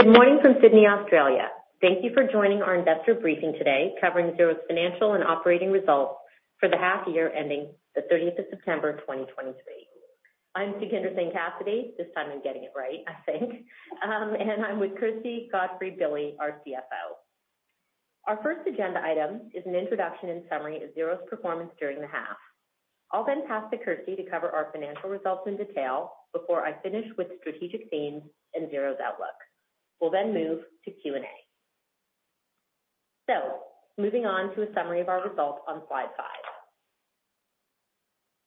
Thank you. Good morning from Sydney, Australia. Thank you for joining our investor briefing today, covering Xero's financial and operating results for the half year ending the 30th of September 2023. I'm Sukhinder Singh Cassidy. This time I'm getting it right, I think. And I'm with Kirsty Godfrey-Billy, our CFO. Our first agenda item is an introduction and summary of Xero's performance during the half. I'll then pass to Kirsty to cover our financial results in detail before I finish with strategic themes and Xero's outlook. We'll then move to Q&A. So moving on to a summary of our results on slide five.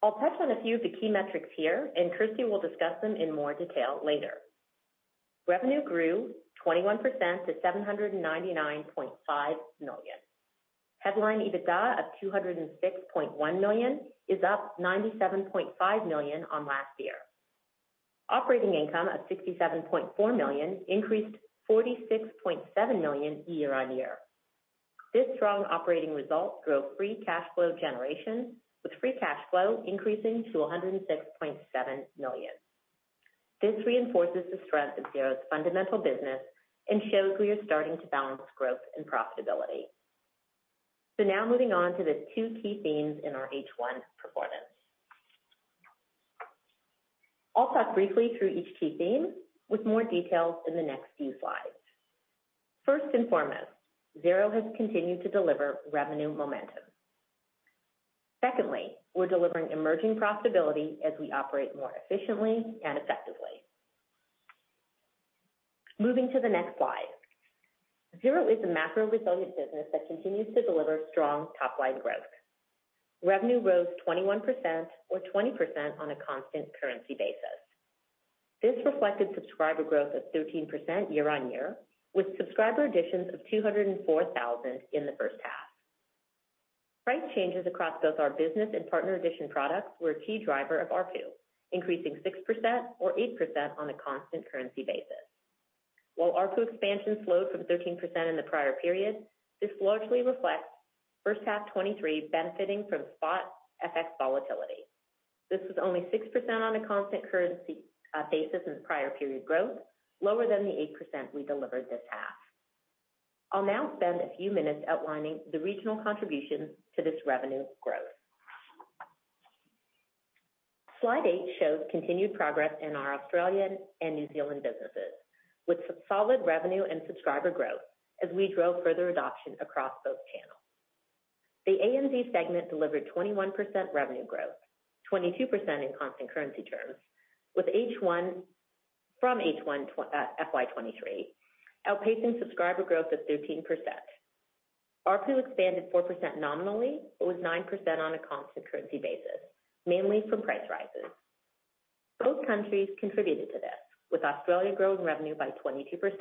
I'll touch on a few of the key metrics here, and Kirsty will discuss them in more detail later. Revenue grew 21% to 799.5 million. Headline EBITDA of 206.1 million is up 97.5 million on last year. Operating income of 67.4 million increased 46.7 million year-on-year. This strong operating result drove free cash flow generation, with free cash flow increasing to 106.7 million. This reinforces the strength of Xero's fundamental business and shows we are starting to balance growth and profitability. So now moving on to the two key themes in our H1 performance. I'll talk briefly through each key theme with more details in the next few slides. First and foremost, Xero has continued to deliver revenue momentum. Secondly, we're delivering emerging profitability as we operate more efficiently and effectively. Moving to the next slide. Xero is a macro-resilient business that continues to deliver strong top-line growth. Revenue rose 21% or 20% on a constant currency basis. This reflected subscriber growth of 13% year-on-year, with subscriber additions of 204,000 in the first half. Price changes across both our Business and Partner Edition products were a key driver of ARPU, increasing 6% or 8% on a constant currency basis. While ARPU expansion slowed from 13% in the prior period, this largely reflects first half 2023 benefiting from spot FX volatility. This was only 6% on a constant currency basis in the prior period growth, lower than the 8% we delivered this half. I'll now spend a few minutes outlining the regional contributions to this revenue growth. Slide eight shows continued progress in our Australian and New Zealand businesses, with solid revenue and subscriber growth as we drove further adoption across both channels. The ANZ segment delivered 21% revenue growth, 22% in constant currency terms, with H1 FY 2023 outpacing subscriber growth of 13%. ARPU expanded 4% nominally, but was 9% on a constant currency basis, mainly from price rises. Both countries contributed to this, with Australia growing revenue by 22%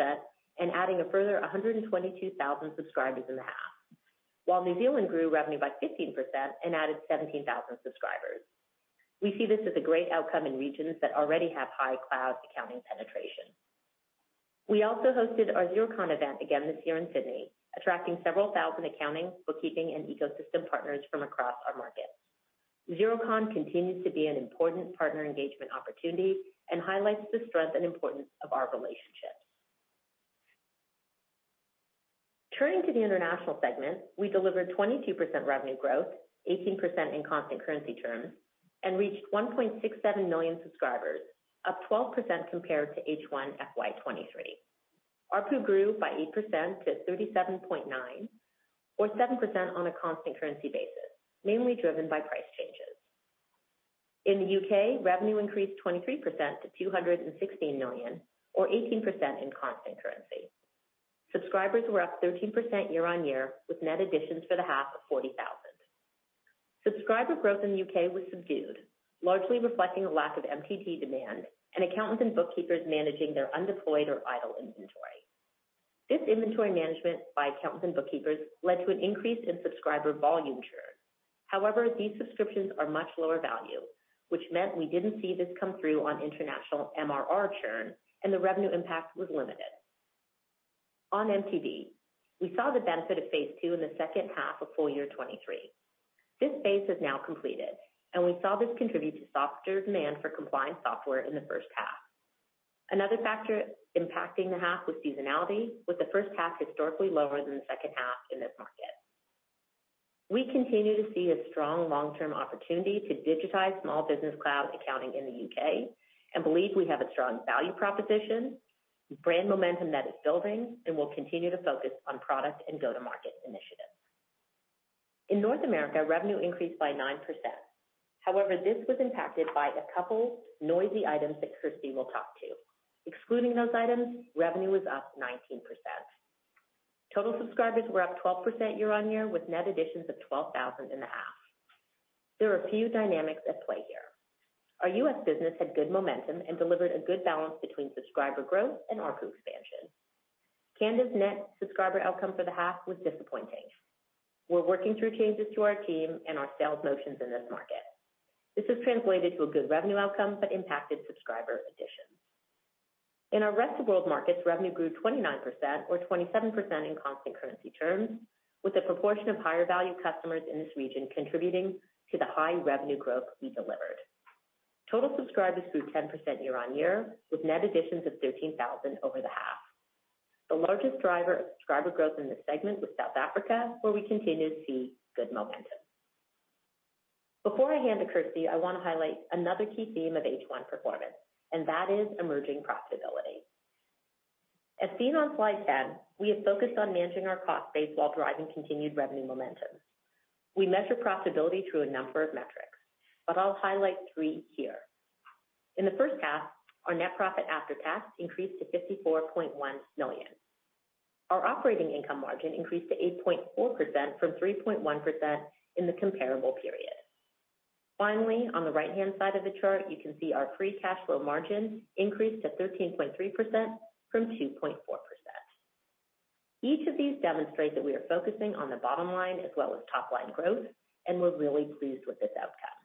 and adding a further 122,000 subscribers in the half, while New Zealand grew revenue by 15% and added 17,000 subscribers. We see this as a great outcome in regions that already have high cloud accounting penetration. We also hosted our Xerocon event again this year in Sydney, attracting several thousand accounting, bookkeeping, and ecosystem partners from across our market. Xerocon continues to be an important partner engagement opportunity and highlights the strength and importance of our relationships. Turning to the International segment, we delivered 22% revenue growth, 18% in constant currency terms, and reached 1.67 million subscribers, up 12% compared to H1 FY 2023. ARPU grew by 8% to 37.9, or 7% on a constant currency basis, mainly driven by price changes. In the U.K., revenue increased 23% to 216 million or 18% in constant currency. Subscribers were up 13% year-on-year, with net additions for the half of 40,000. Subscriber growth in the U.K. was subdued, largely reflecting a lack of MTD demand and accountants and bookkeepers managing their undeployed or idle inventory. This inventory management by accountants and bookkeepers led to an increase in subscriber volume churn. However, these subscriptions are much lower value, which meant we didn't see this come through on International MRR churn, and the revenue impact was limited. On MTD, we saw the benefit of phase two in the second half of full year 2023. This phase is now completed, and we saw this contribute to softer demand for compliance software in the first half. Another factor impacting the half was seasonality, with the first half historically lower than the second half in this market. We continue to see a strong long-term opportunity to digitize small business cloud accounting in the U.K. and believe we have a strong value proposition, brand momentum that is building, and will continue to focus on product and go-to-market initiatives. In North America, revenue increased by 9%. However, this was impacted by a couple noisy items that Kirsty will talk to. Excluding those items, revenue was up 19%. Total subscribers were up 12% year-on-year, with net additions of 12,000 in the half. There are a few dynamics at play here. Our U.S. business had good momentum and delivered a good balance between subscriber growth and ARPU expansion. Canada's net subscriber outcome for the half was disappointing. We're working through changes to our team and our sales motions in this market. This has translated to a good revenue outcome but impacted subscriber additions. In our Rest of World markets, revenue grew 29% or 27% in constant currency terms, with a proportion of higher value customers in this region contributing to the high revenue growth we delivered. Total subscribers grew 10% year-on-year, with net additions of 13,000 over the half. The largest driver of subscriber growth in this segment was South Africa, where we continue to see good momentum. Before I hand to Kirsty, I want to highlight another key theme of H1 performance, and that is emerging profitability. As seen on slide 10, we have focused on managing our cost base while driving continued revenue momentum. We measure profitability through a number of metrics, but I'll highlight three here. In the first half, our net profit after tax increased to 54.1 million. Our operating income margin increased to 8.4% from 3.1% in the comparable period. Finally, on the right-hand side of the chart, you can see our free cash flow margin increased to 13.3% from 2.4%. Each of these demonstrate that we are focusing on the bottom line as well as top-line growth, and we're really pleased with this outcome.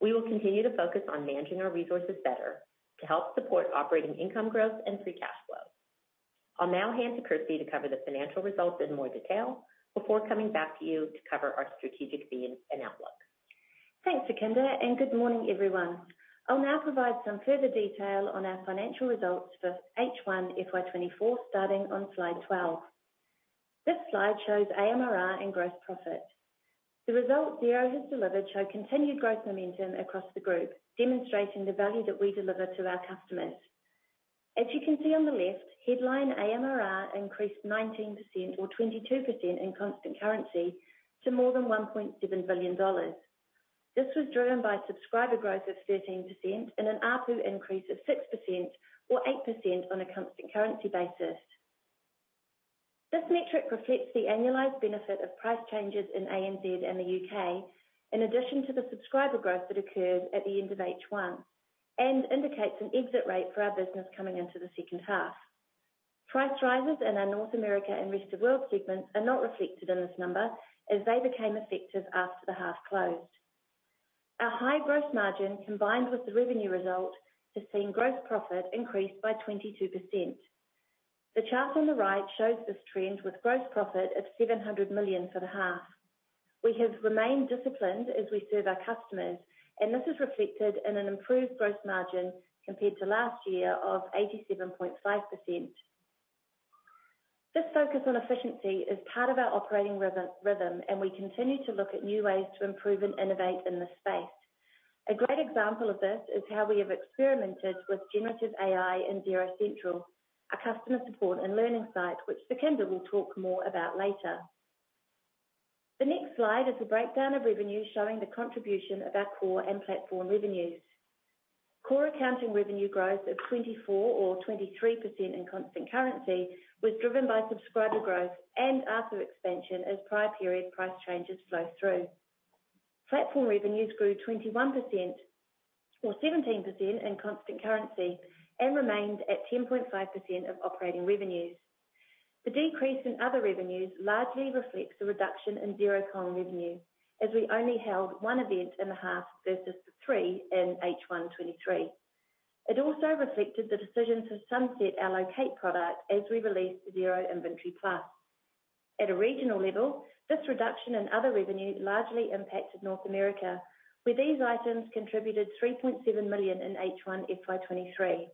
We will continue to focus on managing our resources better to help support operating income growth and free cash flow. I'll now hand to Kirsty to cover the financial results in more detail before coming back to you to cover our strategic themes and outlook. Thanks, Sukhinder, and good morning, everyone. I'll now provide some further detail on our financial results for H1 FY 2024, starting on slide 12. This slide shows AMRR and gross profit. The results Xero has delivered show continued growth momentum across the group, demonstrating the value that we deliver to our customers. As you can see on the left, headline AMRR increased 19% or 22% in constant currency to more than 1.7 billion dollars. This was driven by subscriber growth of 13% and an ARPU increase of 6% or 8% on a constant currency basis. This metric reflects the annualized benefit of price changes in ANZ and the U.K., in addition to the subscriber growth that occurred at the end of H1, and indicates an exit rate for our business coming into the second half. Price rises in our North America and Rest of World segments are not reflected in this number as they became effective after the half closed. Our high gross margin, combined with the revenue result, has seen gross profit increased by 22%. The chart on the right shows this trend with gross profit of 700 million for the half. We have remained disciplined as we serve our customers, and this is reflected in an improved gross margin compared to last year of 87.5%. This focus on efficiency is part of our operating rhythm, and we continue to look at new ways to improve and innovate in this space. A great example of this is how we have experimented with generative AI in Xero Central, our customer support and learning site, which Sukhinder will talk more about later. The next slide is a breakdown of revenue showing the contribution of our core and platform revenues. Core accounting revenue growth of 24% or 23% in constant currency was driven by subscriber growth and ARPU expansion as prior period price changes flow through. Platform revenues grew 21% or 17% in constant currency and remained at 10.5% of operating revenues. The decrease in other revenues largely reflects the reduction in Xerocon revenue, as we only held one event in the half versus the three in H1 2023. It also reflected the decision to sunset our LOCATE product as we released Xero Inventory Plus. At a regional level, this reduction in other revenues largely impacted North America, where these items contributed 3.7 million in H1 FY 2023.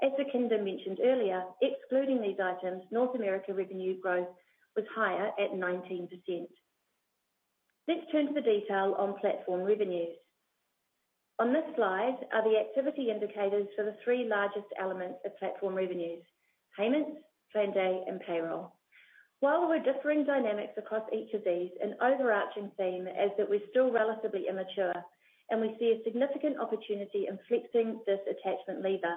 As Sukhinder mentioned earlier, excluding these items, North America revenue growth was higher at 19%. Let's turn to the detail on platform revenues. On this slide are the activity indicators for the three largest elements of platform revenues: payments, Planday, and payroll. While we're differing dynamics across each of these, an overarching theme is that we're still relatively immature, and we see a significant opportunity in flexing this attachment lever.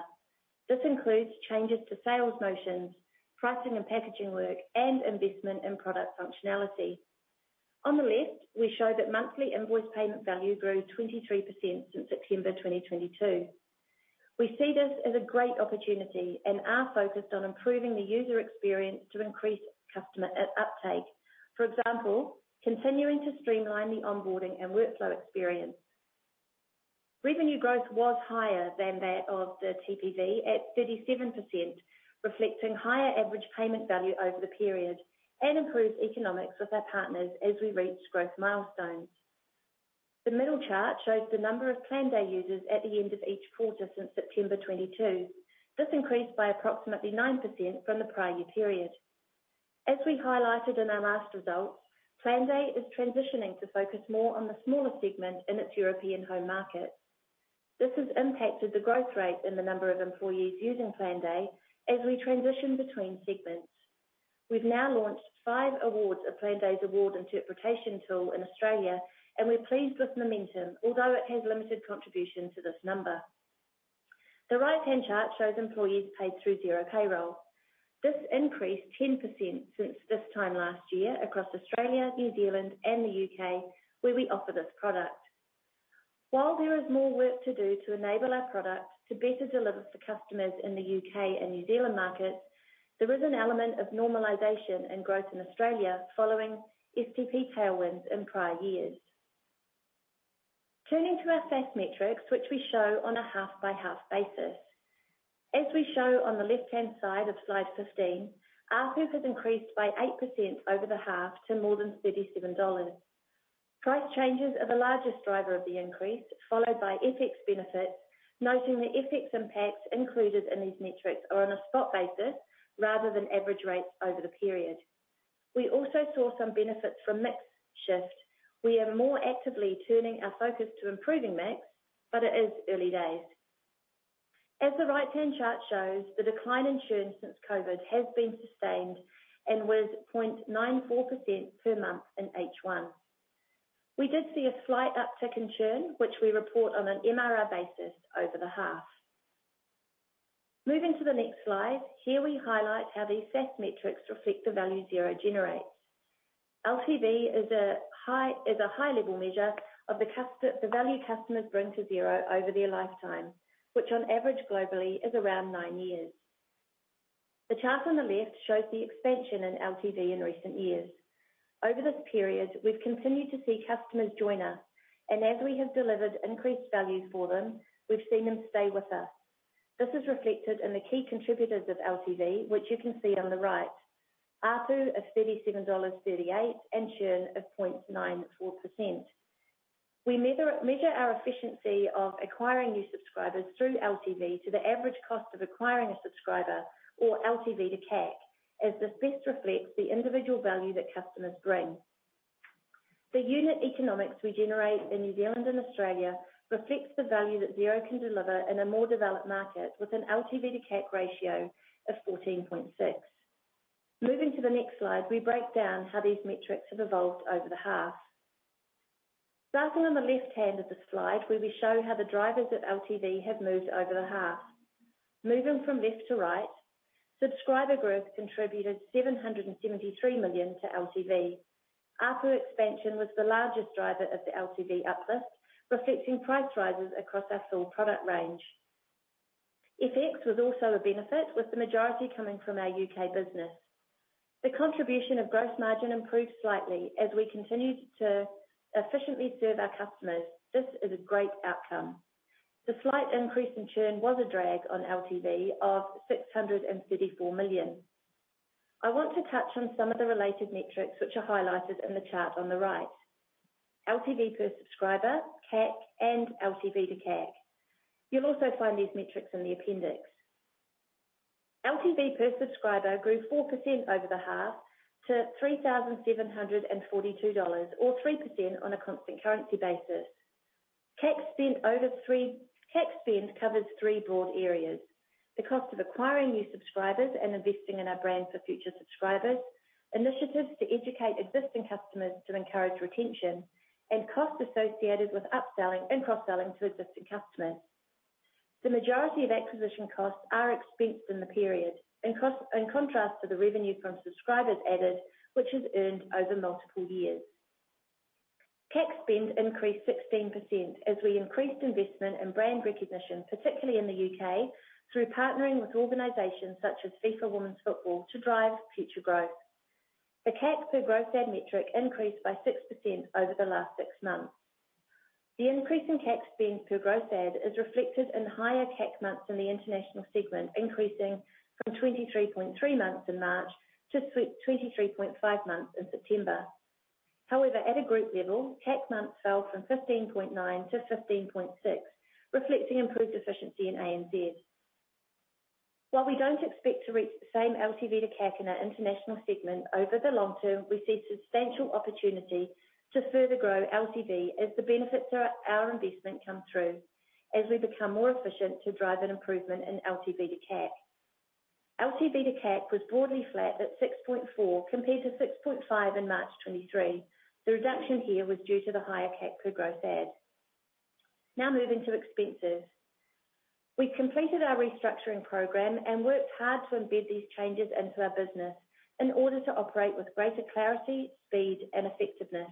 This includes changes to sales motions, pricing and packaging work, and investment in product functionality. On the left, we show that monthly invoice payment value grew 23% since September 2022. We see this as a great opportunity and are focused on improving the user experience to increase customer uptake. For example, continuing to streamline the onboarding and workflow experience. Revenue growth was higher than that of the TPV at 37%, reflecting higher average payment value over the period and improved economics with our partners as we reached growth milestones. The middle chart shows the number of Planday users at the end of each quarter since September 2022. This increased by approximately 9% from the prior year period. As we highlighted in our last results, Planday is transitioning to focus more on the smaller segment in its European home market. This has impacted the growth rate in the number of employees using Planday as we transition between segments. We've now launched five awards of Planday's award interpretation tool in Australia, and we're pleased with momentum, although it has limited contribution to this number. The right-hand chart shows employees paid through Xero Payroll. This increased 10% since this time last year across Australia, New Zealand, and the U.K., where we offer this product. While there is more work to do to enable our product to better deliver for customers in the U.K. and New Zealand markets, there is an element of normalization and growth in Australia following STP tailwinds in prior years. Turning to our SaaS metrics, which we show on a half-by-half basis. As we show on the left-hand side of slide 15, ARPU has increased by 8% over the half to more than 37 dollars. Price changes are the largest driver of the increase, followed by FX benefits, noting the FX impacts included in these metrics are on a spot basis rather than average rates over the period. We also saw some benefits from mix shift. We are more actively turning our focus to improving mix, but it is early days. As the right-hand chart shows, the decline in churn since COVID has been sustained and was 0.94% per month in H1. We did see a slight uptick in churn, which we report on an MRR basis over the half. Moving to the next slide, here we highlight how these SaaS metrics reflect the value Xero generates. LTV is a high, is a high-level measure of the value customers bring to Xero over their lifetime, which on average globally is around nine years. The chart on the left shows the expansion in LTV in recent years. Over this period, we've continued to see customers join us, and as we have delivered increased value for them, we've seen them stay with us. This is reflected in the key contributors of LTV, which you can see on the right. ARPU of $37.38 and churn of 0.94%. We measure our efficiency of acquiring new subscribers through LTV to the average cost of acquiring a subscriber or LTV to CAC, as this best reflects the individual value that customers bring. The unit economics we generate in New Zealand and Australia reflects the value that Xero can deliver in a more developed market, with an LTV to CAC ratio of 14.6. Moving to the next slide, we break down how these metrics have evolved over the half. Starting on the left hand of the slide, where we show how the drivers of LTV have moved over the half. Moving from left to right, subscriber growth contributed $773 million to LTV. ARPU expansion was the largest driver of the LTV uplift, reflecting price rises across our full product range. FX was also a benefit, with the majority coming from our U.K. business. The contribution of gross margin improved slightly as we continued to efficiently serve our customers. This is a great outcome. The slight increase in churn was a drag on LTV of $634 million. I want to touch on some of the related metrics, which are highlighted in the chart on the right. LTV per subscriber, CAC, and LTV to CAC. You'll also find these metrics in the appendix. LTV per subscriber grew 4% over the half to $3,742, or 3% on a constant currency basis. CAC spend covers three broad areas: the cost of acquiring new subscribers and investing in our brand for future subscribers, initiatives to educate existing customers to encourage retention, and costs associated with upselling and cross-selling to existing customers. The majority of acquisition costs are expensed in the period, in cost, in contrast to the revenue from subscribers added, which is earned over multiple years. CAC spend increased 16% as we increased investment in brand recognition, particularly in the U.K., through partnering with organizations such as FIFA Women's Football, to drive future growth. The CAC per Gross Add metric increased by 6% over the last six months. The increase in CAC spend per Gross Add is reflected in higher CAC months in the International segment, increasing from 23.3 months in March to 23.5 months in September. However, at a group level, CAC months fell from 15.9-15.6, reflecting improved efficiency in ANZ. While we don't expect to reach the same LTV to CAC in our International segment, over the long term, we see substantial opportunity to further grow LTV as the benefits of our investment come through, as we become more efficient to drive an improvement in LTV to CAC. LTV to CAC was broadly flat at 6.4, compared to 6.5 in March 2023. The reduction here was due to the higher CAC per Gross Add. Now moving to expenses. We completed our restructuring program and worked hard to embed these changes into our business in order to operate with greater clarity, speed, and effectiveness.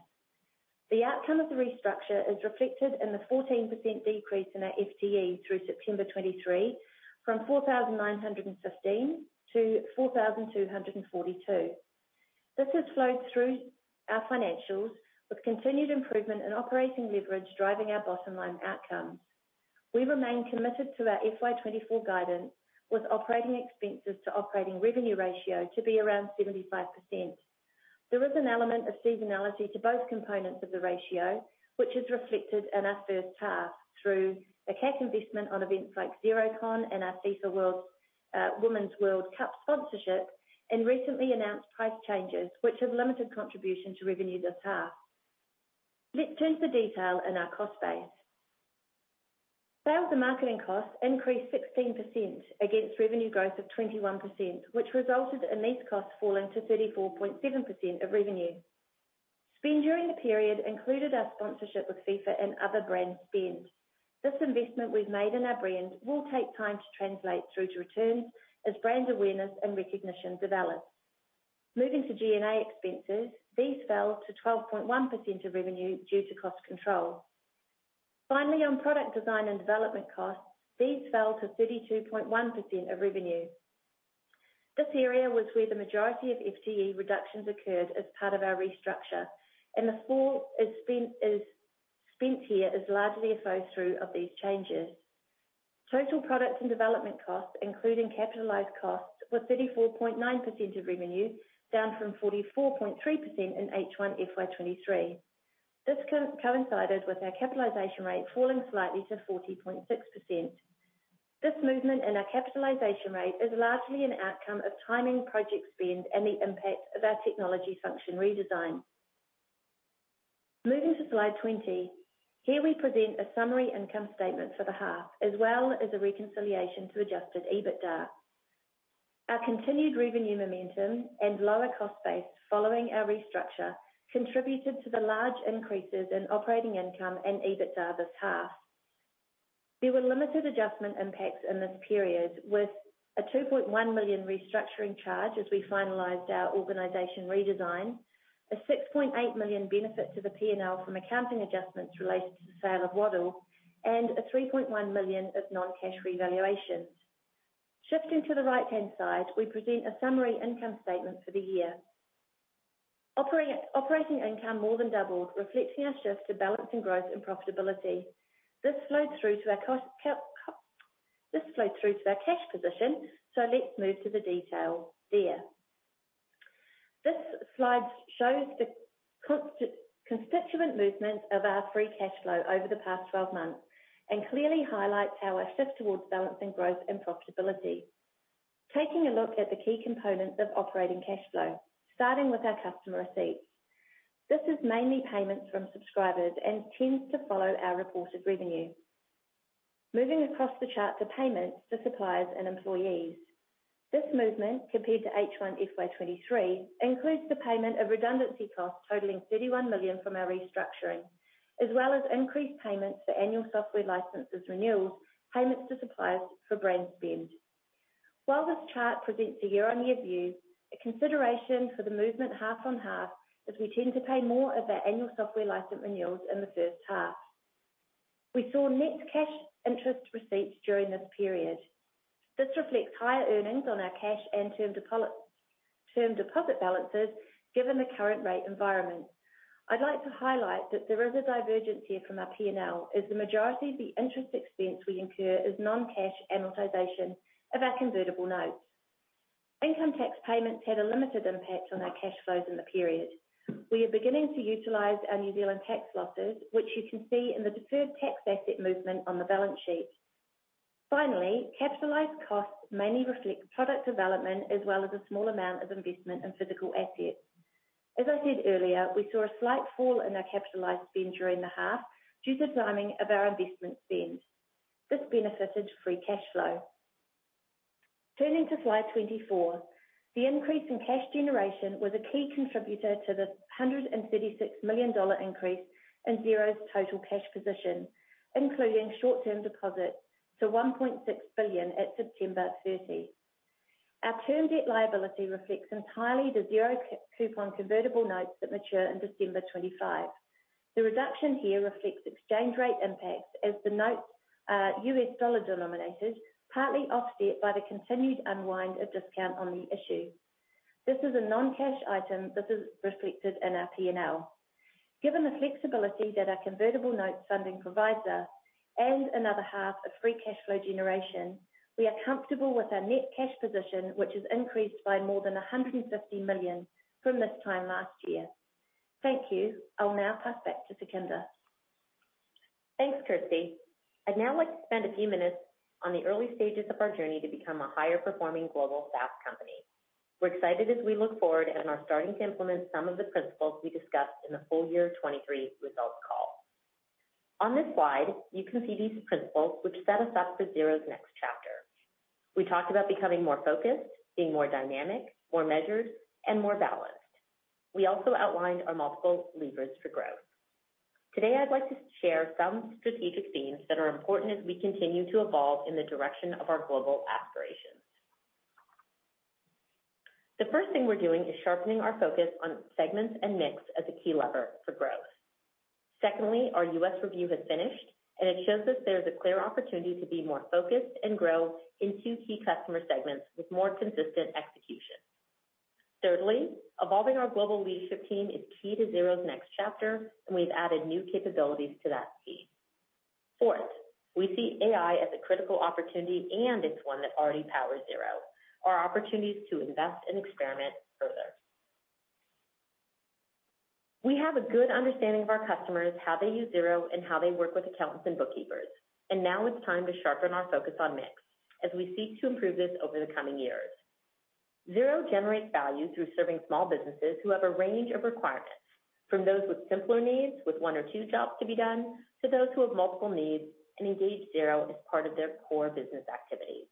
The outcome of the restructure is reflected in the 14% decrease in our FTE through September 2023, from 4,915-4,242. This has flowed through our financials, with continued improvement in operating leverage driving our bottom line outcomes. We remain committed to our FY 2024 guidance, with operating expenses to operating revenue ratio to be around 75%. There is an element of seasonality to both components of the ratio, which is reflected in our first half, through a cash investment on events like Xerocon and our FIFA Women's World Cup sponsorship and recently announced price changes, which have limited contribution to revenue this half. Let's turn to detail in our cost base. Sales and marketing costs increased 16% against revenue growth of 21%, which resulted in these costs falling to 34.7% of revenue. Spend during the period included our sponsorship with FIFA and other brand spend. This investment we've made in our brand will take time to translate through to returns as brand awareness and recognition develop. Moving to G&A expenses, these fell to 12.1% of revenue due to cost control. Finally, on product design and development costs, these fell to 32.1% of revenue. This area was where the majority of FTE reductions occurred as part of our restructure, and the fall in spend here is largely a flow through of these changes. Total product and development costs, including capitalized costs, were 34.9% of revenue, down from 44.3% in H1 FY 2023. This coincided with our capitalization rate falling slightly to 40.6%. This movement in our capitalization rate is largely an outcome of timing, project spend, and the impact of our technology function redesign. Moving to slide 20. Here we present a summary income statement for the half, as well as a reconciliation to Adjusted EBITDA. Our continued revenue momentum and lower cost base following our restructure, contributed to the large increases in operating income and EBITDA this half. There were limited adjustment impacts in this period, with a 2.1 million restructuring charge as we finalized our organization redesign, a 6.8 million benefit to the P&L from accounting adjustments related to the sale of Waddle, and a 3.1 million of non-cash revaluation. Shifting to the right-hand side, we present a summary income statement for the year. Operating income more than doubled, reflecting our shift to balancing growth and profitability. This flowed through to our cash position, so let's move to the detail there. This slide shows the constituent movement of our free cash flow over the past 12 months, and clearly highlights our shift towards balancing growth and profitability. Taking a look at the key components of operating cash flow, starting with our customer receipts. This is mainly payments from subscribers and tends to follow our reported revenue. Moving across the chart to payments to suppliers and employees. This movement, compared to H1 FY 2023, includes the payment of redundancy costs totaling 31 million from our restructuring, as well as increased payments for annual software licenses renewals, payments to suppliers for brand spend. While this chart presents a year-on-year view, a consideration for the movement half-on-half is we tend to pay more of our annual software license renewals in the first half. We saw net cash interest receipts during this period. This reflects higher earnings on our cash and term deposit balances, given the current rate environment. I'd like to highlight that there is a divergence from our P&L, as the majority of the interest expense we incur is non-cash amortization of our convertible notes. Income tax payments had a limited impact on our cash flows in the period. We are beginning to utilize our New Zealand tax losses, which you can see in the deferred tax asset movement on the balance sheet. Finally, capitalized costs mainly reflect product development, as well as a small amount of investment in physical assets. As I said earlier, we saw a slight fall in our capitalized spend during the half due to timing of our investment spend. This benefited free cash flow. Turning to slide 24. The increase in cash generation was a key contributor to the 136 million dollar increase in Xero's total cash position, including short-term deposits to 1.6 billion at September 30. Our term debt liability reflects entirely the Xero zero-coupon convertible notes that mature in December 2025. The reduction here reflects exchange rate impacts as the notes are U.S. dollar denominated, partly offset by the continued unwind of discount on the issue. This is a non-cash item that is reflected in our P&L. Given the flexibility that our convertible note funding provides us, and another half of free cash flow generation, we are comfortable with our net cash position, which has increased by more than 150 million from this time last year. Thank you. I'll now pass back to Sukhinder. Thanks, Kirsty. I'd now like to spend a few minutes on the early stages of our journey to become a higher-performing global SaaS company. We're excited as we look forward and are starting to implement some of the principles we discussed in the full year 2023 results call. On this slide, you can see these principles which set us up for Xero's next chapter. We talked about becoming more focused, being more dynamic, more measured, and more balanced. We also outlined our multiple levers for growth. Today, I'd like to share some strategic themes that are important as we continue to evolve in the direction of our global aspirations. The first thing we're doing is sharpening our focus on segments and mix as a key lever for growth. Secondly, our U.S. review has finished, and it shows us there is a clear opportunity to be more focused and grow in two key customer segments with more consistent execution. Thirdly, evolving our global leadership team is key to Xero's next chapter, and we've added new capabilities to that team. Fourth, we see AI as a critical opportunity, and it's one that already powers Xero. Our opportunity is to invest and experiment further. We have a good understanding of our customers, how they use Xero, and how they work with accountants and bookkeepers, and now it's time to sharpen our focus on mix as we seek to improve this over the coming years. Xero generates value through serving small businesses who have a range of requirements, from those with simpler needs, with one or two jobs to be done, to those who have multiple needs and engage Xero as part of their core business activities.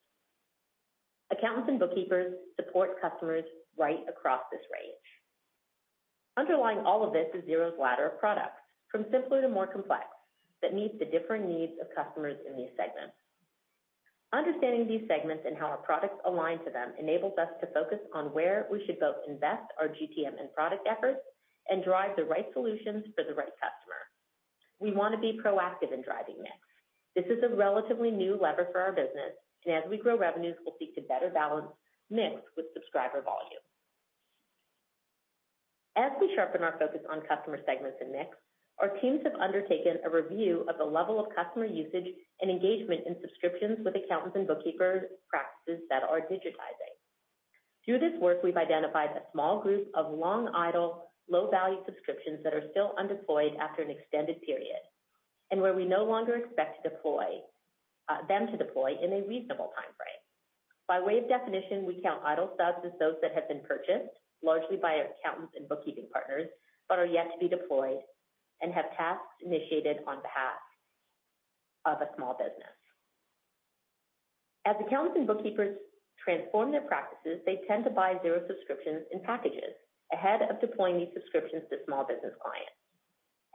Accountants and bookkeepers support customers right across this range. Underlying all of this is Xero's ladder of product, from simpler to more complex, that meets the different needs of customers in these segments. Understanding these segments and how our products align to them, enables us to focus on where we should both invest our GTM and product efforts and drive the right solutions for the right customer…. We want to be proactive in driving mix. This is a relatively new lever for our business, and as we grow revenues, we'll seek to better balance mix with subscriber volume. As we sharpen our focus on customer segments and mix, our teams have undertaken a review of the level of customer usage and engagement in subscriptions with accountants and bookkeepers, practices that are digitizing. Through this work, we've identified a small group of long idle, low-value subscriptions that are still undeployed after an extended period, and where we no longer expect to deploy them in a reasonable time frame. By way of definition, we count idle subs as those that have been purchased, largely by our accountants and bookkeeping partners, but are yet to be deployed and have tasks initiated on behalf of a small business. As accountants and bookkeepers transform their practices, they tend to buy Xero subscriptions in packages ahead of deploying these subscriptions to small business clients.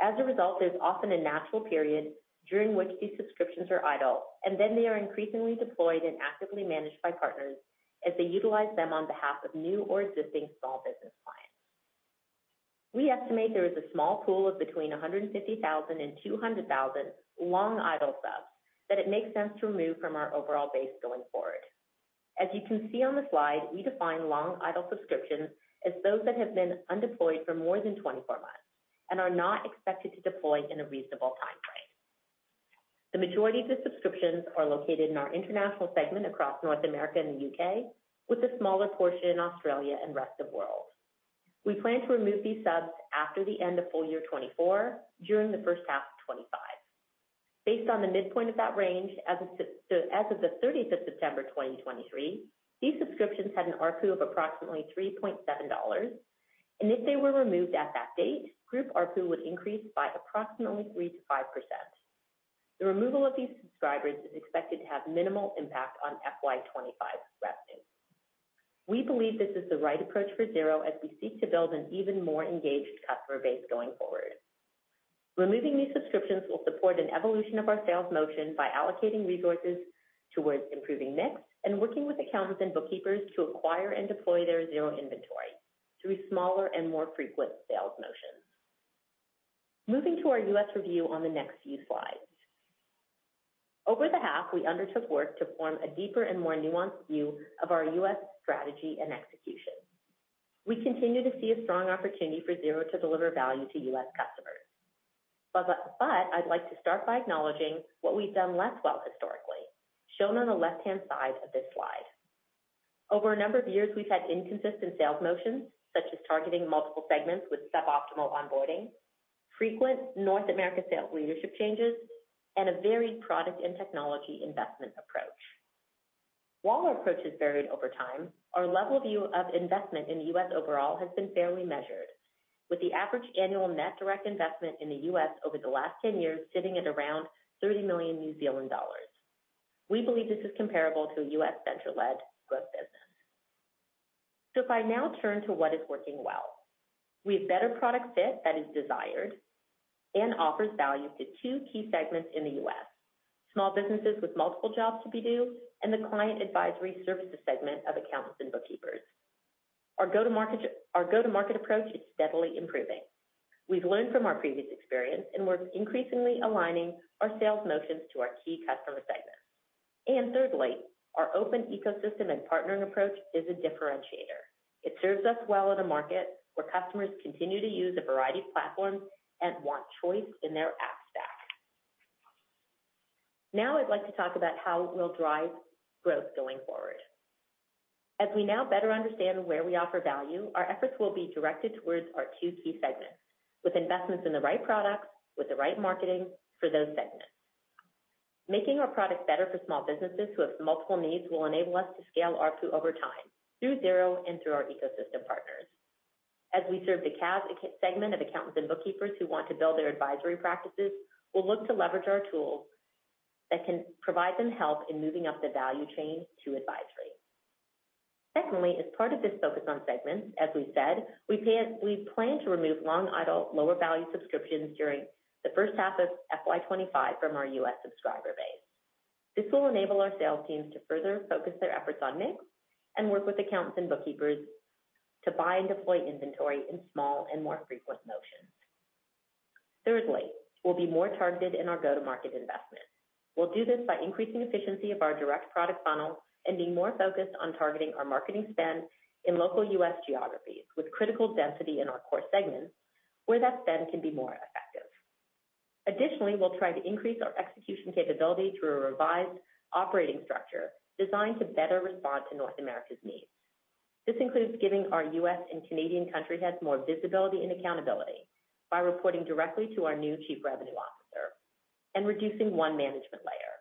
As a result, there's often a natural period during which these subscriptions are idle, and then they are increasingly deployed and actively managed by partners as they utilize them on behalf of new or existing small business clients. We estimate there is a small pool of between 150,000 and 200,000 long idle subs that it makes sense to remove from our overall base going forward. As you can see on the slide, we define long idle subscriptions as those that have been undeployed for more than 24 months and are not expected to deploy in a reasonable time frame. The majority of the subscriptions are located in our International segment across North America and the U.K., with a smaller portion in Australia and Rest of World. We plan to remove these subs after the end of full year 2024, during the first half of 2025. Based on the midpoint of that range, so as of the 30th of September 2023, these subscriptions had an ARPU of approximately 3.7, and if they were removed at that date, group ARPU would increase by approximately 3%-5%. The removal of these subscribers is expected to have minimal impact on FY 2025 revenue. We believe this is the right approach for Xero as we seek to build an even more engaged customer base going forward. Removing these subscriptions will support an evolution of our sales motion by allocating resources towards improving mix and working with accountants and bookkeepers to acquire and deploy their Xero inventory through smaller and more frequent sales motions. Moving to our U.S. review on the next few slides. Over the half, we undertook work to form a deeper and more nuanced view of our U.S. strategy and execution. We continue to see a strong opportunity for Xero to deliver value to U.S. customers. But I'd like to start by acknowledging what we've done less well historically, shown on the left-hand side of this slide. Over a number of years, we'd had inconsistent sales motions, such as targeting multiple segments with suboptimal onboarding, frequent North American sales leadership changes, and a varied product and technology investment approach. While our approach has varied over time, our level view of investment in the U.S. overall has been fairly measured, with the average annual net direct investment in the U.S. over the last 10 years, sitting at around 30 million New Zealand dollars. We believe this is comparable to a U.S. central-led growth business. So if I now turn to what is working well, we have better product fit that is desired and offers value to two key segments in the U.S.: small businesses with multiple jobs to be done, and the Client Advisory Services segment of accountants and bookkeepers. Our go-to-market, our go-to-market approach is steadily improving. We've learned from our previous experience, and we're increasingly aligning our sales motions to our key customer segments. And thirdly, our open ecosystem and partnering approach is a differentiator. It serves us well in a market where customers continue to use a variety of platforms and want choice in their app stack. Now, I'd like to talk about how we'll drive growth going forward. As we now better understand where we offer value, our efforts will be directed towards our two key segments, with investments in the right products, with the right marketing for those segments. Making our products better for small businesses who have multiple needs will enable us to scale ARPU over time, through Xero and through our ecosystem partners. As we serve the CAS segment of accountants and bookkeepers who want to build their advisory practices, we'll look to leverage our tools that can provide them help in moving up the value chain to advisory. Secondly, as part of this focus on segments, as we said, we plan to remove long, idle, lower-value subscriptions during the first half of FY 2025 from our U.S. subscriber base. This will enable our sales teams to further focus their efforts on mix and work with accountants and bookkeepers to buy and deploy inventory in small and more frequent motions. Thirdly, we'll be more targeted in our go-to-market investment. We'll do this by increasing efficiency of our direct product funnel and being more focused on targeting our marketing spend in local U.S. geographies with critical density in our core segments, where that spend can be more effective. Additionally, we'll try to increase our execution capability through a revised operating structure designed to better respond to North America's needs. This includes giving our U.S. and Canadian country heads more visibility and accountability by reporting directly to our new Chief Revenue Officer and reducing one management layer.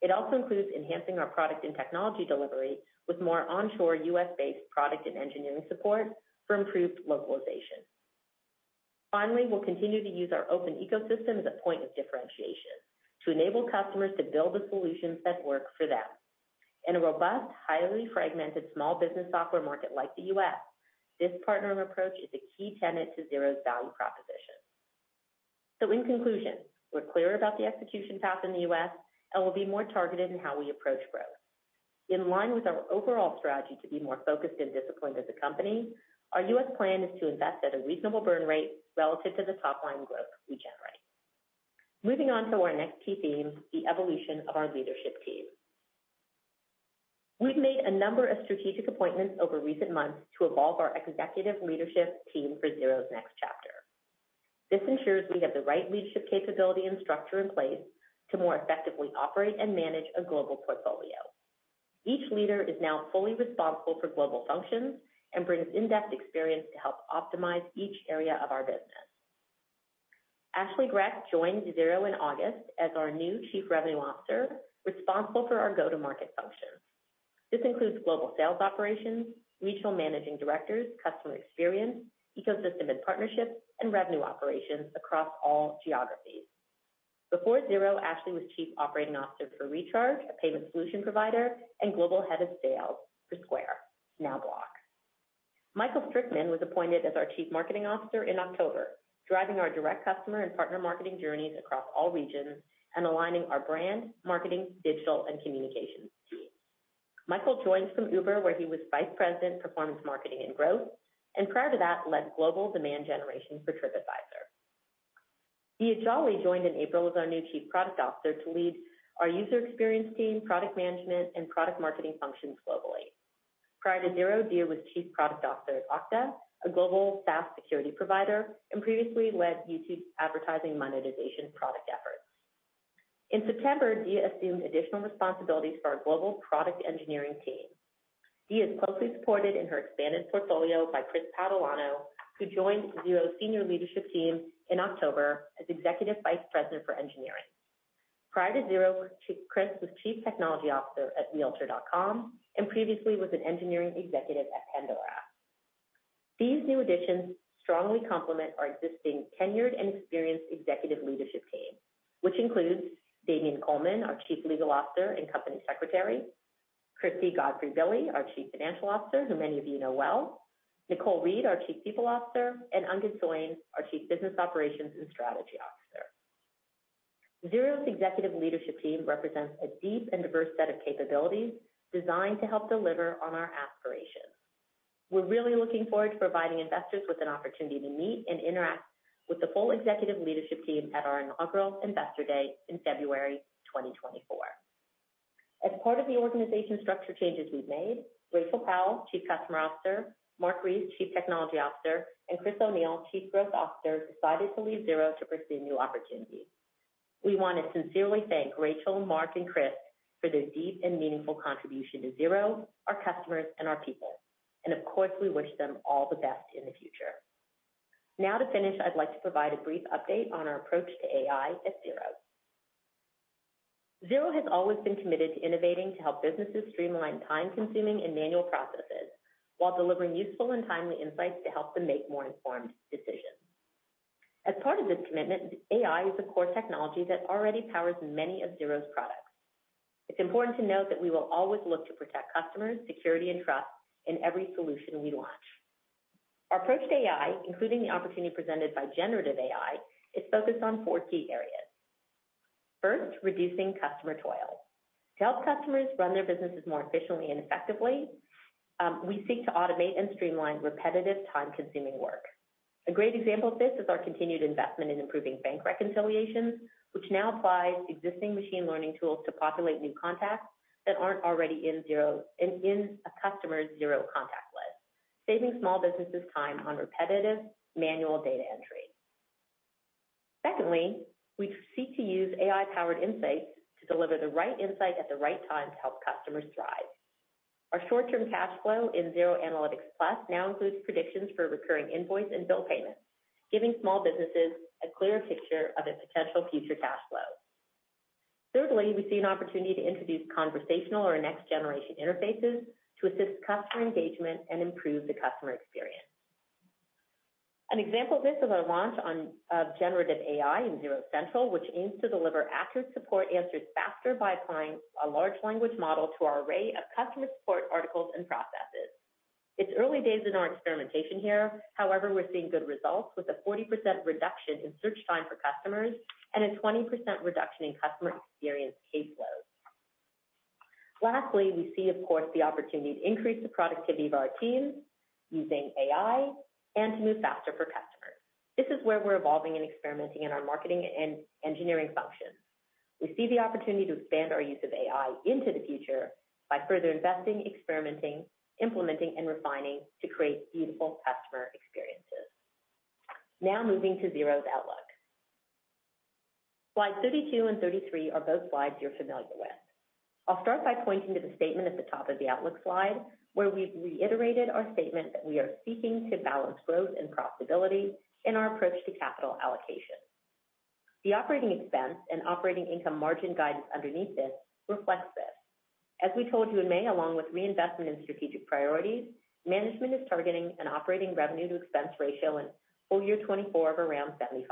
It also includes enhancing our product and technology delivery with more onshore U.S.-based product and engineering support for improved localization. Finally, we'll continue to use our open ecosystem as a point of differentiation to enable customers to build the solutions that work for them. In a robust, highly fragmented small business software market like the U.S., this partnering approach is a key tenet to Xero's value proposition. So in conclusion, we're clear about the execution path in the U.S., and we'll be more targeted in how we approach growth. In line with our overall strategy to be more focused and disciplined as a company, our U.S. plan is to invest at a reasonable burn rate relative to the top-line growth we generate. Moving on to our next key theme, the evolution of our leadership team. We've made a number of strategic appointments over recent months to evolve our executive leadership team for Xero's next chapter. This ensures we have the right leadership capability and structure in place to more effectively operate and manage a global portfolio. Each leader is now fully responsible for global functions and brings in-depth experience to help optimize each area of our business. Ashley Grech joined Xero in August as our new Chief Revenue Officer, responsible for our go-to-market function. This includes global sales operations, regional managing directors, customer experience, ecosystem and partnerships, and revenue operations across all geographies. Before Xero, Ashley was Chief Operating Officer for Recharge, a payment solution provider, and Global Head of Sales for Square, now Block. Michael Strickman was appointed as our Chief Marketing Officer in October, driving our direct customer and partner marketing journeys across all regions and aligning our brand, marketing, digital, and communications team. Michael joins from Uber, where he was Vice President, Performance Marketing and Growth, and prior to that, led global demand generation for TripAdvisor. Diya Jolly joined in April as our new Chief Product Officer to lead our user experience team, product management, and product marketing functions globally. Prior to Xero, Diya was Chief Product Officer at Okta, a global SaaS security provider, and previously led YouTube's advertising monetization product efforts. In September, Diya assumed additional responsibilities for our global product engineering team. Diya is closely supported in her expanded portfolio by Chris Padalino, who joined Xero's senior leadership team in October as Executive Vice President for Engineering. Prior to Xero, Chris was Chief Technology Officer at Realtor.com and previously was an engineering executive at Pandora. These new additions strongly complement our existing tenured and experienced executive leadership team, which includes Damien Coleman, our Chief Legal Officer and Company Secretary, Kirsty Godfrey-Billy, our Chief Financial Officer, who many of you know well, Nicole Reid, our Chief People Officer, and Angad Soin, our Chief Business Operations and Strategy Officer. Xero's executive leadership team represents a deep and diverse set of capabilities designed to help deliver on our aspirations. We're really looking forward to providing investors with an opportunity to meet and interact with the full executive leadership team at our inaugural Investor Day in February 2024. As part of the organization structure changes we've made, Rachael Powell, Chief Customer Officer, Mark Rees, Chief Technology Officer, and Chris O'Neill, Chief Growth Officer, decided to leave Xero to pursue new opportunities. We want to sincerely thank Rachael, Mark, and Chris for their deep and meaningful contribution to Xero, our customers, and our people. And of course, we wish them all the best in the future. Now, to finish, I'd like to provide a brief update on our approach to AI at Xero. Xero has always been committed to innovating to help businesses streamline time-consuming and manual processes while delivering useful and timely insights to help them make more informed decisions. As part of this commitment, AI is a core technology that already powers many of Xero's products. It's important to note that we will always look to protect customers' security and trust in every solution we launch. Our approach to AI, including the opportunity presented by generative AI, is focused on four key areas. First, reducing customer toil. To help customers run their businesses more efficiently and effectively, we seek to automate and streamline repetitive, time-consuming work. A great example of this is our continued investment in improving bank reconciliation, which now applies existing machine learning tools to populate new contacts that aren't already in Xero and in a customer's Xero contact list, saving small businesses time on repetitive manual data entry. Secondly, we seek to use AI-powered insights to deliver the right insight at the right time to help customers thrive. Our short-term cash flow in Xero Analytics Plus now includes predictions for recurring invoice and bill payments, giving small businesses a clearer picture of their potential future cash flow. Thirdly, we see an opportunity to introduce conversational or next-generation interfaces to assist customer engagement and improve the customer experience. An example of this is our launch on generative AI in Xero Central, which aims to deliver accurate support answers faster by applying a large language model to our array of customer support articles and processes. It's early days in our experimentation here. However, we're seeing good results, with a 40% reduction in search time for customers and a 20% reduction in customer experience caseload. Lastly, we see, of course, the opportunity to increase the productivity of our team using AI and to move faster for customers. This is where we're evolving and experimenting in our marketing and engineering functions. We see the opportunity to expand our use of AI into the future by further investing, experimenting, implementing, and refining to create beautiful customer experiences. Now moving to Xero's outlook. Slide 32 and 33 are both slides you're familiar with. I'll start by pointing to the statement at the top of the outlook slide, where we've reiterated our statement that we are seeking to balance growth and profitability in our approach to capital allocation. The operating expense and operating income margin guidance underneath this reflects this. As we told you in May, along with reinvestment in strategic priorities, management is targeting an operating revenue to expense ratio in full year 2024 of around 75%.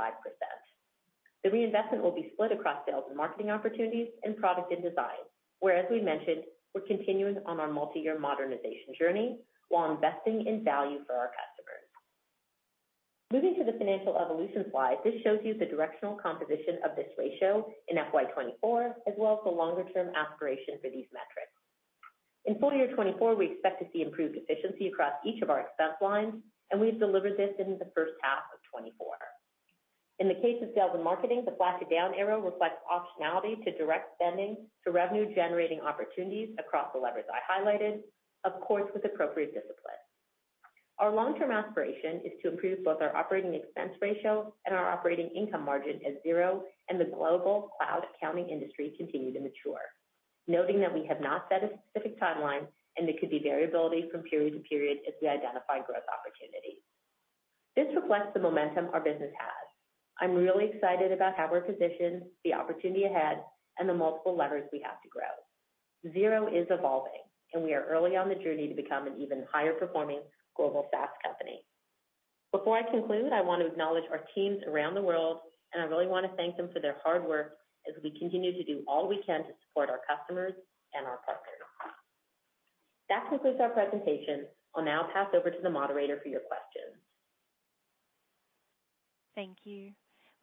The reinvestment will be split across sales and marketing opportunities and product and design, where, as we mentioned, we're continuing on our multi-year modernization journey while investing in value for our customers.... Moving to the financial evolution slide, this shows you the directional composition of this ratio in FY 2024, as well as the longer-term aspiration for these metrics. In full year 2024, we expect to see improved efficiency across each of our expense lines, and we've delivered this in the first half of 2024. In the case of sales and marketing, the black down arrow reflects optionality to direct spending to revenue-generating opportunities across the levers I highlighted, of course, with appropriate discipline. Our long-term aspiration is to improve both our operating expense ratio and our operating income margin as Xero and the global cloud accounting industry continue to mature. Noting that we have not set a specific timeline, and there could be variability from period to period as we identify growth opportunities. This reflects the momentum our business has. I'm really excited about how we're positioned, the opportunity ahead, and the multiple levers we have to grow. Xero is evolving, and we are early on the journey to become an even higher performing global SaaS company. Before I conclude, I want to acknowledge our teams around the world, and I really want to thank them for their hard work as we continue to do all we can to support our customers and our partners. That concludes our presentation. I'll now pass over to the moderator for your questions. Thank you.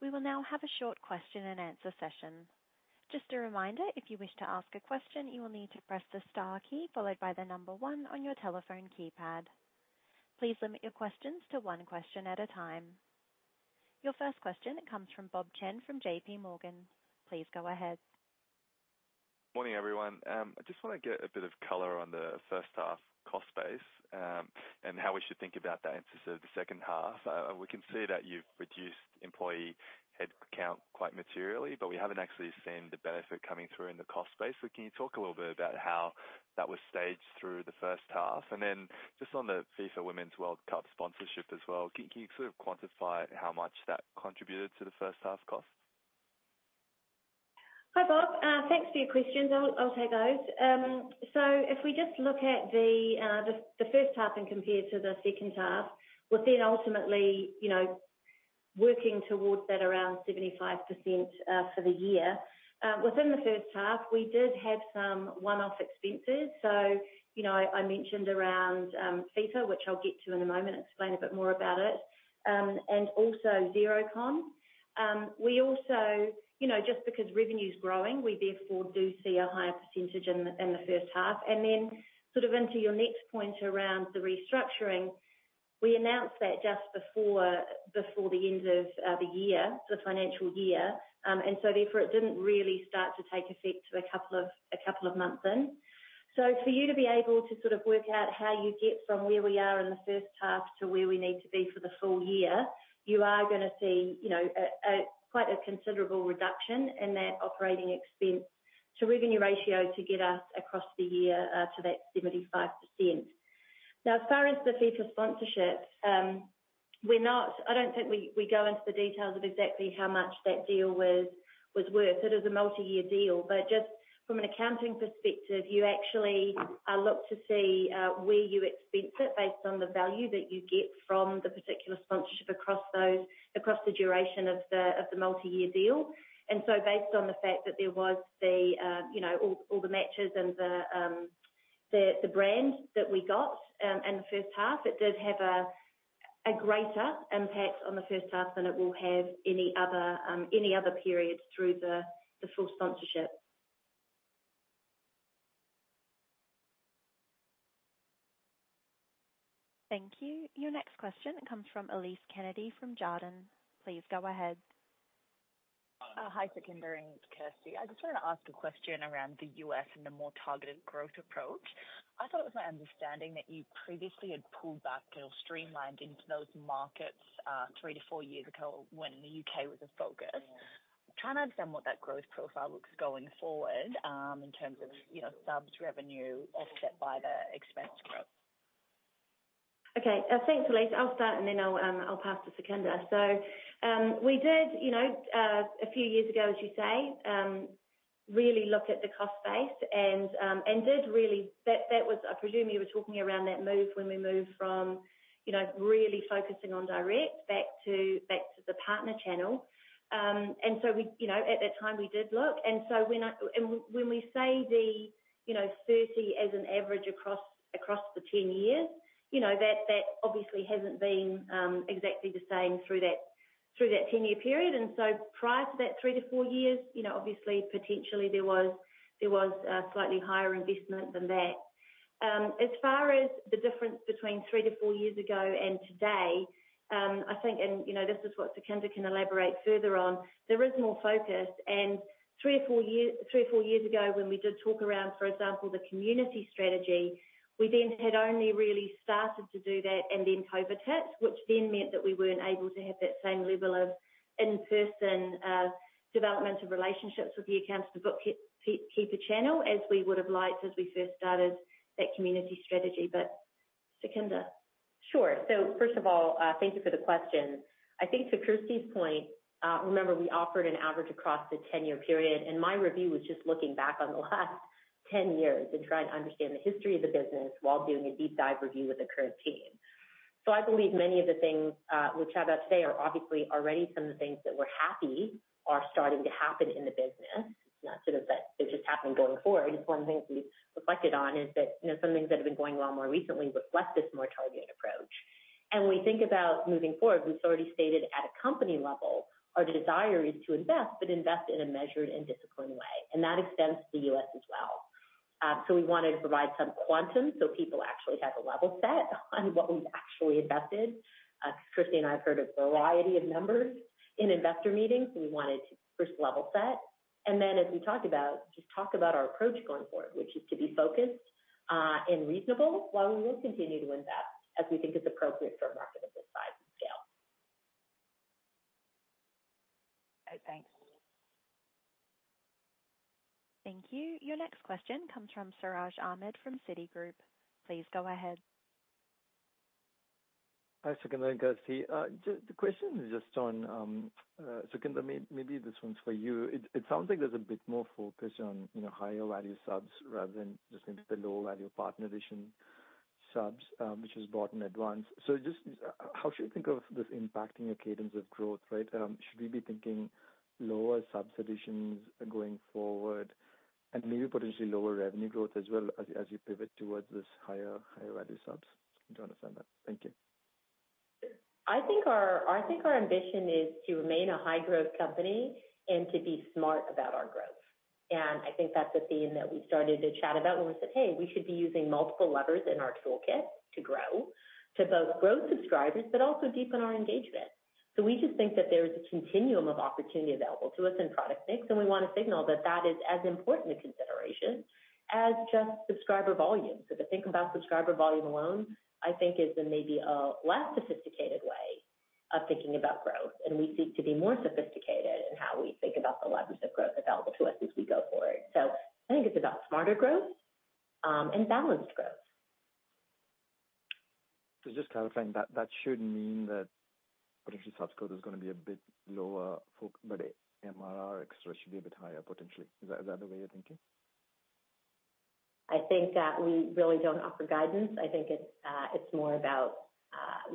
We will now have a short question-and-answer session. Just a reminder, if you wish to ask a question, you will need to press the star key followed by the number one on your telephone keypad. Please limit your questions to one question at a time. Your first question comes from Bob Chen from JPMorgan. Please go ahead. Morning, everyone. I just want to get a bit of color on the first half cost base, and how we should think about that in terms of the second half. We can see that you've reduced employee headcount quite materially, but we haven't actually seen the benefit coming through in the cost base. So can you talk a little bit about how that was staged through the first half? And then just on the FIFA Women's World Cup sponsorship as well, can you sort of quantify how much that contributed to the first half cost? Hi, Bob. Thanks for your questions. I'll take those. So if we just look at the first half and compare to the second half, we're then ultimately, you know, working towards that around 75% for the year. Within the first half, we did have some one-off expenses. So, you know, I mentioned around FIFA, which I'll get to in a moment, explain a bit more about it, and also Xerocon. We also, you know, just because revenue is growing, we therefore do see a higher percentage in the first half. And then sort of into your next point around the restructuring. We announced that just before the end of the year, the financial year, and so therefore, it didn't really start to take effect a couple of months in. So for you to be able to sort of work out how you get from where we are in the first half to where we need to be for the full year, you are gonna see, you know, quite a considerable reduction in that operating expense to revenue ratio to get us across the year, to that 75%. Now, as far as the FIFA sponsorship, we're not... I don't think we go into the details of exactly how much that deal was worth. It is a multi-year deal, but just from an accounting perspective, you actually look to see where you expense it based on the value that you get from the particular sponsorship across the duration of the multi-year deal. Based on the fact that there was you know all the matches and the brand that we got in the first half, it did have a greater impact on the first half than it will have any other periods through the full sponsorship. Thank you. Your next question comes from Elise Kennedy, from Jarden. Please go ahead. Hi, Sukhinder and Kirsty. I just wanted to ask a question around the U.S. and the more targeted growth approach. I thought it was my understanding that you previously had pulled back or streamlined into those markets, three-four years ago when the U.K. was a focus. Trying to understand what that growth profile looks going forward, in terms of, you know, subs revenue offset by the expense growth. Okay, thanks, Elise. I'll start, and then I'll pass to Sukhinder. So, we did, you know, a few years ago, as you say, really look at the cost base and, and did really... That, that was, I presume you were talking around that move when we moved from, you know, really focusing on direct back to, back to the partner channel. And so we, you know, at that time, we did look, and so when I-- and when we say the, you know, 30 as an average across, across the 10 years, you know, that, that obviously hasn't been, exactly the same through that, through that 10-year period. And so prior to that three-four years, you know, obviously, potentially there was, there was a slightly higher investment than that. As far as the difference between three-four years ago and today, I think and, you know, this is what Sukhinder can elaborate further on, there is more focus, and three or four years, three or four years ago, when we did talk around, for example, the community strategy, we then had only really started to do that, and then COVID hit, which then meant that we weren't able to have that same level of in-person development of relationships with the accountants, the bookkeeper channel, as we would have liked as we first started that community strategy. But, Sukhinder. Sure. So first of all, thank you for the question. I think to Kirsty's point, remember we offered an average across the ten-year period, and my review was just looking back on the last 10 years and trying to understand the history of the business while doing a deep dive review with the current team. So I believe many of the things which are about today are obviously already some of the things that we're happy are starting to happen in the business, not sort of that they're just happening going forward. One of the things we've reflected on is that, you know, some things that have been going well more recently reflect this more targeted approach.... We think about moving forward, we've already stated at a company level, our desire is to invest, but invest in a measured and disciplined way, and that extends to the U.S. as well. So we wanted to provide some quantum, so people actually have a level set on what we've actually invested. Kirsty and I have heard a variety of numbers in investor meetings, and we wanted to first level set, and then as we talked about, just talk about our approach going forward, which is to be focused and reasonable, while we will continue to invest as we think is appropriate for a market of this size and scale. Okay, thanks. Thank you. Your next question comes from Siraj Ahmed from Citigroup. Please go ahead. Hi, Sukhinder and Kirsty. Just the question is just on, Sukhinder, maybe this one's for you. It sounds like there's a bit more focus on, you know, higher value subs rather than just the low value partner addition subs, which is bought in advance. So just, how should you think of this impacting your cadence of growth, right? Should we be thinking lower subs additions going forward and maybe potentially lower revenue growth as well as you pivot towards this higher, higher value subs, to understand that? Thank you. I think our ambition is to remain a high growth company and to be smart about our growth. I think that's a theme that we started to chat about when we said, "Hey, we should be using multiple levers in our toolkit to grow, to both grow subscribers, but also deepen our engagement." So we just think that there is a continuum of opportunity available to us in product mix, and we want to signal that that is as important a consideration as just subscriber volume. So to think about subscriber volume alone, I think is then maybe a less sophisticated way of thinking about growth, and we seek to be more sophisticated in how we think about the levers of growth available to us as we go forward. So I think it's about smarter growth and balanced growth. So just clarifying, that should mean that potentially subs growth is gonna be a bit lower for... But MRR extra should be a bit higher, potentially. Is that the way you're thinking? I think that we really don't offer guidance. I think it's more about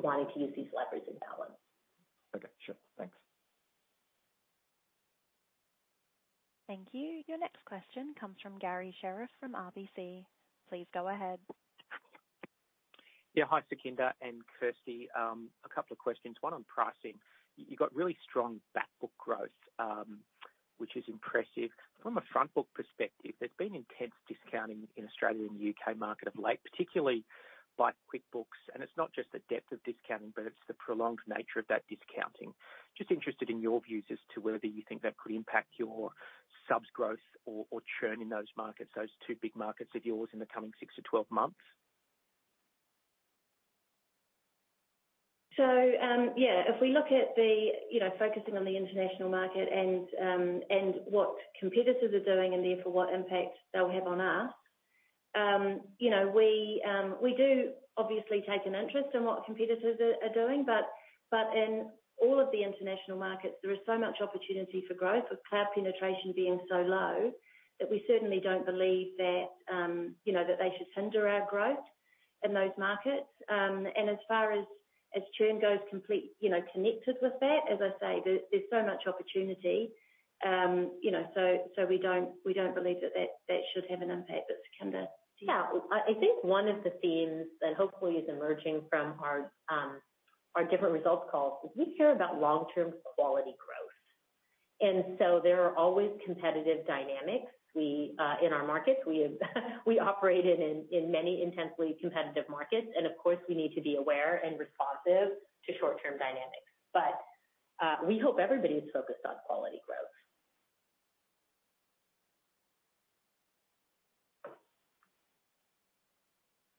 wanting to use these levers in balance. Okay, sure. Thanks. Thank you. Your next question comes from Garry Sherriff from RBC. Please go ahead. Yeah. Hi, Sukhinder and Kirsty. A couple of questions, one on pricing. You got really strong back book growth, which is impressive. From a front book perspective, there's been intense discounting in Australia and the U.K. market of late, particularly by QuickBooks, and it's not just the depth of discounting, but it's the prolonged nature of that discounting. Just interested in your views as to whether you think that could impact your subs growth or, or churn in those markets, those two big markets of yours in the coming six-12 months. So, yeah, if we look at the, you know, focusing on the international market and, and what competitors are doing and therefore, what impact they'll have on us, you know, we, we do obviously take an interest in what competitors are, are doing. But, but in all of the international markets, there is so much opportunity for growth, with cloud penetration being so low, that we certainly don't believe that, you know, that they should hinder our growth in those markets. And as far as, as churn goes, completely connected with that, as I say, there's, there's so much opportunity. You know, so, so we don't, we don't believe that, that, that should have an impact. But Sukhinder? Yeah. I think one of the themes that hopefully is emerging from our different results calls is we care about long-term quality growth. And so there are always competitive dynamics we in our markets. We operate in many intensely competitive markets, and of course, we need to be aware and responsive to short-term dynamics. But we hope everybody is focused on quality growth.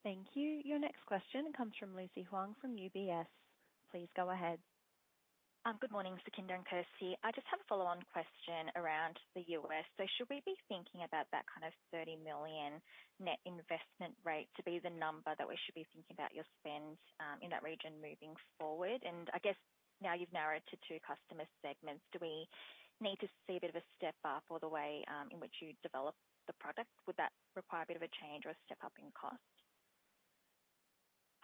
Thank you. Your next question comes from Lucy Huang, from UBS. Please go ahead. Good morning, Sukhinder and Kirsty. I just have a follow-on question around the U.S. So should we be thinking about that kind of $30 million net investment rate to be the number that we should be thinking about your spend in that region moving forward? And I guess now you've narrowed to two customer segments, do we need to see a bit of a step up or the way in which you develop the product? Would that require a bit of a change or a step up in cost?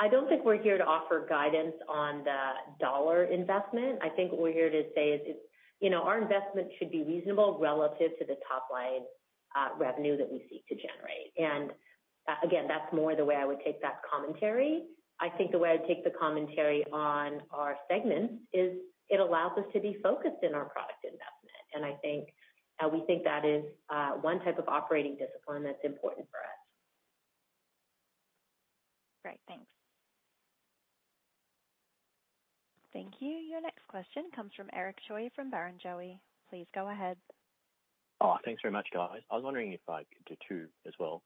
I don't think we're here to offer guidance on the dollar investment. I think what we're here to say is, you know, our investment should be reasonable relative to the top line, revenue that we seek to generate. And, again, that's more the way I would take that commentary. I think the way I'd take the commentary on our segments is, it allows us to be focused in our product investment, and I think, we think that is, one type of operating discipline that's important for us. Great. Thanks. Thank you. Your next question comes from Eric Choi, from Barrenjoey. Please go ahead. Oh, thanks very much, guys. I was wondering if I could do two as well.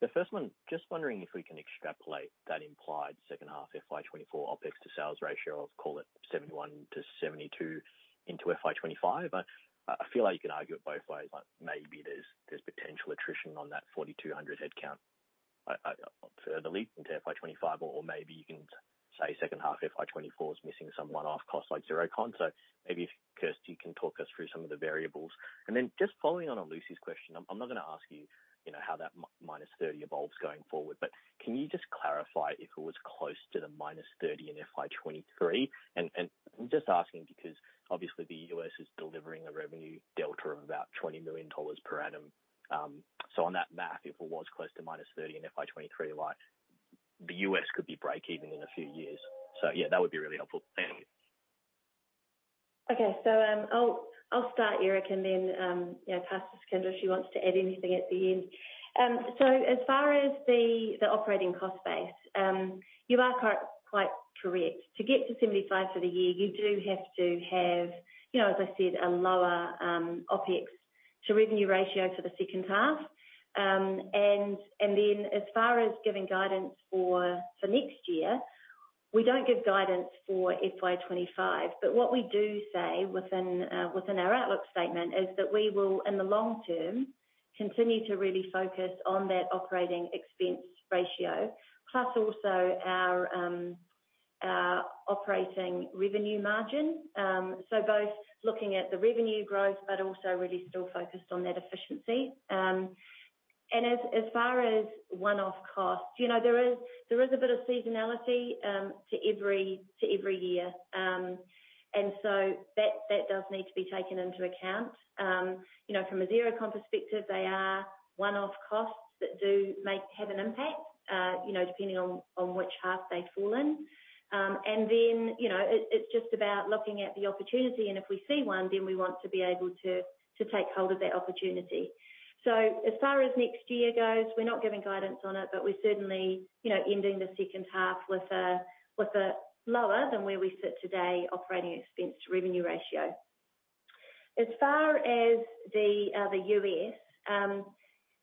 The first one, just wondering if we can extrapolate that implied second half FY 2024 OpEx to sales ratio, I'll call it 71%-72% into FY 2025. I feel like you can argue it both ways, like maybe there's potential attrition on that 4,200 headcount. Further leak into FY 2025, or maybe you can say second half FY 2024 is missing some one-off costs, like Xerocon. So maybe if Kirsty can talk us through some of the variables. And then just following on Lucy's question, I'm not gonna ask you, you know, how that minus thirty evolves going forward, but can you just clarify if it was close to the -30 in FY 2023? I'm just asking because obviously the U.S. is delivering a revenue delta of about $20 million per annum. So on that math, if it was close to -30 in FY 2023, like, the U.S. could be break even in a few years. So yeah, that would be really helpful. Thank you.... Okay, so, I'll, I'll start, Eric, and then, you know, pass to Sukhinder, if she wants to add anything at the end. So as far as the, the operating cost base, you are quite correct. To get to 75% for the year, you do have to have, you know, as I said, a lower, OpEx to revenue ratio for the second half. And, and then as far as giving guidance for, for next year, we don't give guidance for FY 2025. But what we do say within, within our outlook statement is that we will, in the long term, continue to really focus on that operating expense ratio, plus also our, operating revenue margin. So both looking at the revenue growth, but also really still focused on that efficiency. And as far as one-off costs, you know, there is a bit of seasonality to every year. And so that does need to be taken into account. You know, from a Xerocon perspective, they are one-off costs that do have an impact, you know, depending on which half they fall in. And then, you know, it's just about looking at the opportunity, and if we see one, then we want to be able to take hold of that opportunity. So as far as next year goes, we're not giving guidance on it, but we're certainly, you know, ending the second half with a lower than where we sit today operating expense to revenue ratio. As far as the U.S.,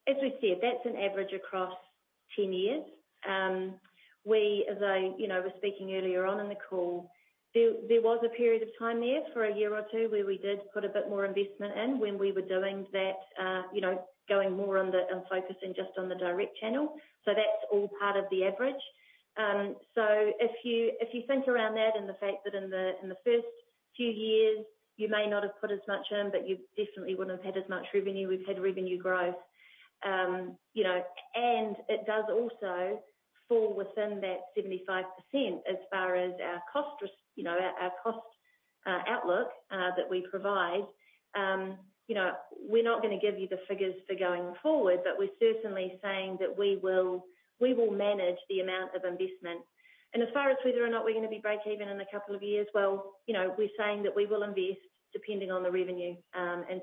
as we said, that's an average across 10 years. Well, as I, you know, was speaking earlier on in the call, there was a period of time there for a year or two where we did put a bit more investment in when we were doing that, you know, going more on the, and focusing just on the direct channel. So that's all part of the average. So if you think around that and the fact that in the first few years, you may not have put as much in, but you definitely wouldn't have had as much revenue. We've had revenue growth, you know, and it does also fall within that 75% as far as our cost res- you know, our, our cost, outlook, that we provide. You know, we're not going to give you the figures for going forward, but we're certainly saying that we will, we will manage the amount of investment. As far as whether or not we're going to be breakeven in a couple of years, well, you know, we're saying that we will invest depending on the revenue.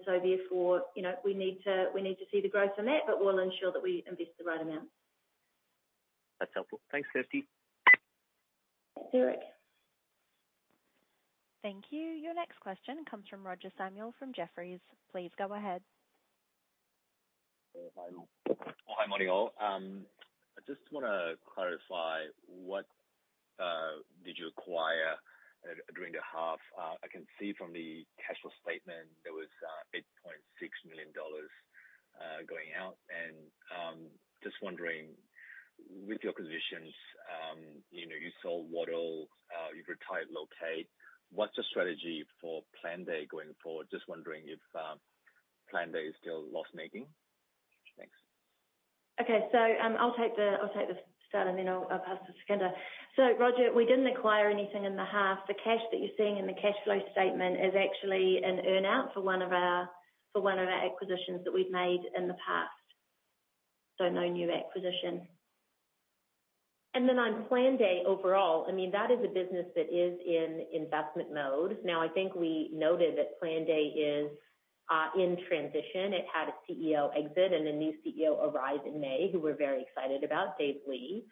So therefore, you know, we need to, we need to see the growth on that, but we'll ensure that we invest the right amount. That's helpful. Thanks, Kirsty. Thanks, Eric. Thank you. Your next question comes from Roger Samuel, from Jefferies. Please go ahead. Oh, hi, morning all. I just want to clarify, what did you acquire during the half? I can see from the cash flow statement there was 8.6 million dollars going out. Just wondering, with your acquisitions, you know, you sold Waddle, you've retired LOCATE. What's the strategy for Planday going forward? Just wondering if Planday is still loss-making? Thanks. Okay, so I'll take the start, and then I'll pass to Sukhinder. So Roger, we didn't acquire anything in the half. The cash that you're seeing in the cash flow statement is actually an earn out for one of our acquisitions that we've made in the past, so no new acquisition. And then on Planday overall, I mean, that is a business that is in investment mode. Now, I think we noted that Planday is in transition. It had a CEO exit and a new CEO arrive in May, who we're very excited about, Dave Lee.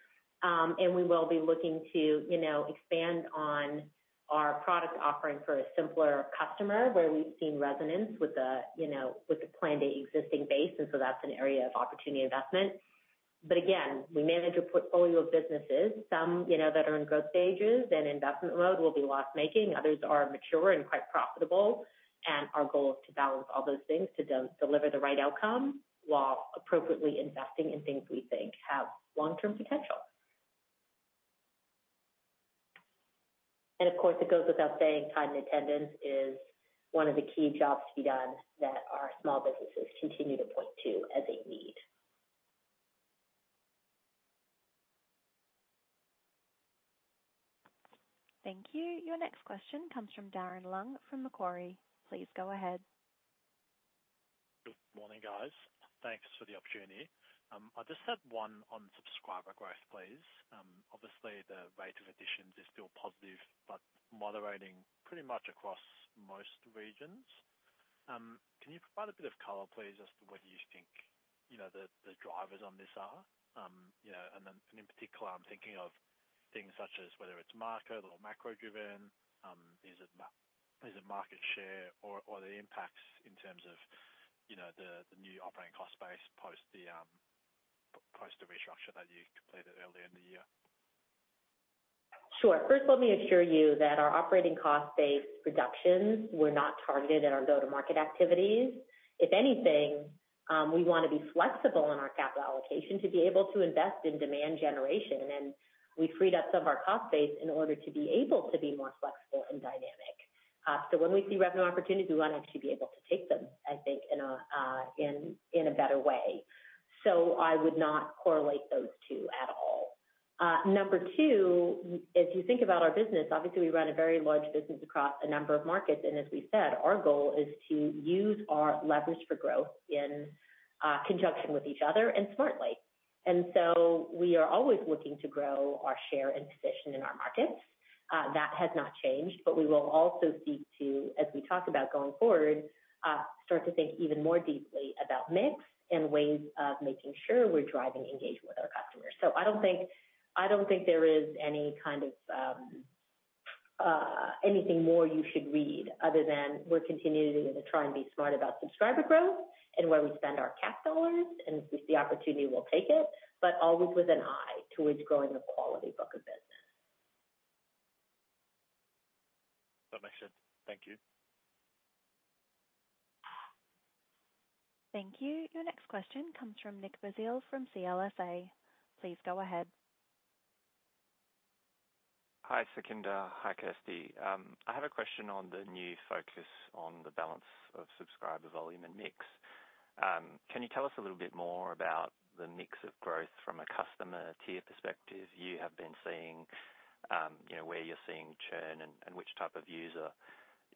And we will be looking to, you know, expand on our product offering for a simpler customer, where we've seen resonance with the, you know, with the Planday existing base, and so that's an area of opportunity investment. But again, we manage a portfolio of businesses, some, you know, that are in growth stages and investment mode will be loss-making. Others are mature and quite profitable, and our goal is to balance all those things, to deliver the right outcome while appropriately investing in things we think have long-term potential. Of course, it goes without saying, time and attendance is one of the key jobs to be done that our small businesses continue to point to as a need. Thank you. Your next question comes from Darren Leung, from Macquarie. Please go ahead. Good morning, guys. Thanks for the opportunity. I just had one on subscriber growth, please. Obviously, the rate of additions is still positive, but moderating pretty much across most regions. Can you provide a bit of color, please, as to what you think, you know, the drivers on this are? You know, and then, and in particular, I'm thinking of things such as whether it's market or macro-driven. Is it market share or the impacts in terms of, you know, the new operating cost base post the restructure that you completed earlier in the year? Sure. First, let me assure you that our operating cost base reductions were not targeted at our go-to-market activities. If anything, we want to be flexible in our capital allocation to be able to invest in demand generation, and we freed up some of our cost base in order to be able to be more flexible and dynamic. So when we see revenue opportunities, we want to actually be able to take them, I think, in a better way. So I would not correlate those two at all. Number two, if you think about our business, obviously we run a very large business across a number of markets, and as we said, our goal is to use our leverage for growth in conjunction with each other and smartly.... We are always looking to grow our share and position in our markets. That has not changed, but we will also seek to, as we talk about going forward, start to think even more deeply about mix and ways of making sure we're driving engagement with our customers. I don't think, I don't think there is any kind of, anything more you should read other than we're continuing to try and be smart about subscriber growth and where we spend our cap dollars, and if we see the opportunity, we'll take it, but always with an eye towards growing the quality book of business. That makes sense. Thank you. Thank you. Your next question comes from Nick Basile from CLSA. Please go ahead. Hi, Sukhinder. Hi, Kirsty. I have a question on the new focus on the balance of subscriber volume and mix. Can you tell us a little bit more about the mix of growth from a customer tier perspective you have been seeing, you know, where you're seeing churn and which type of user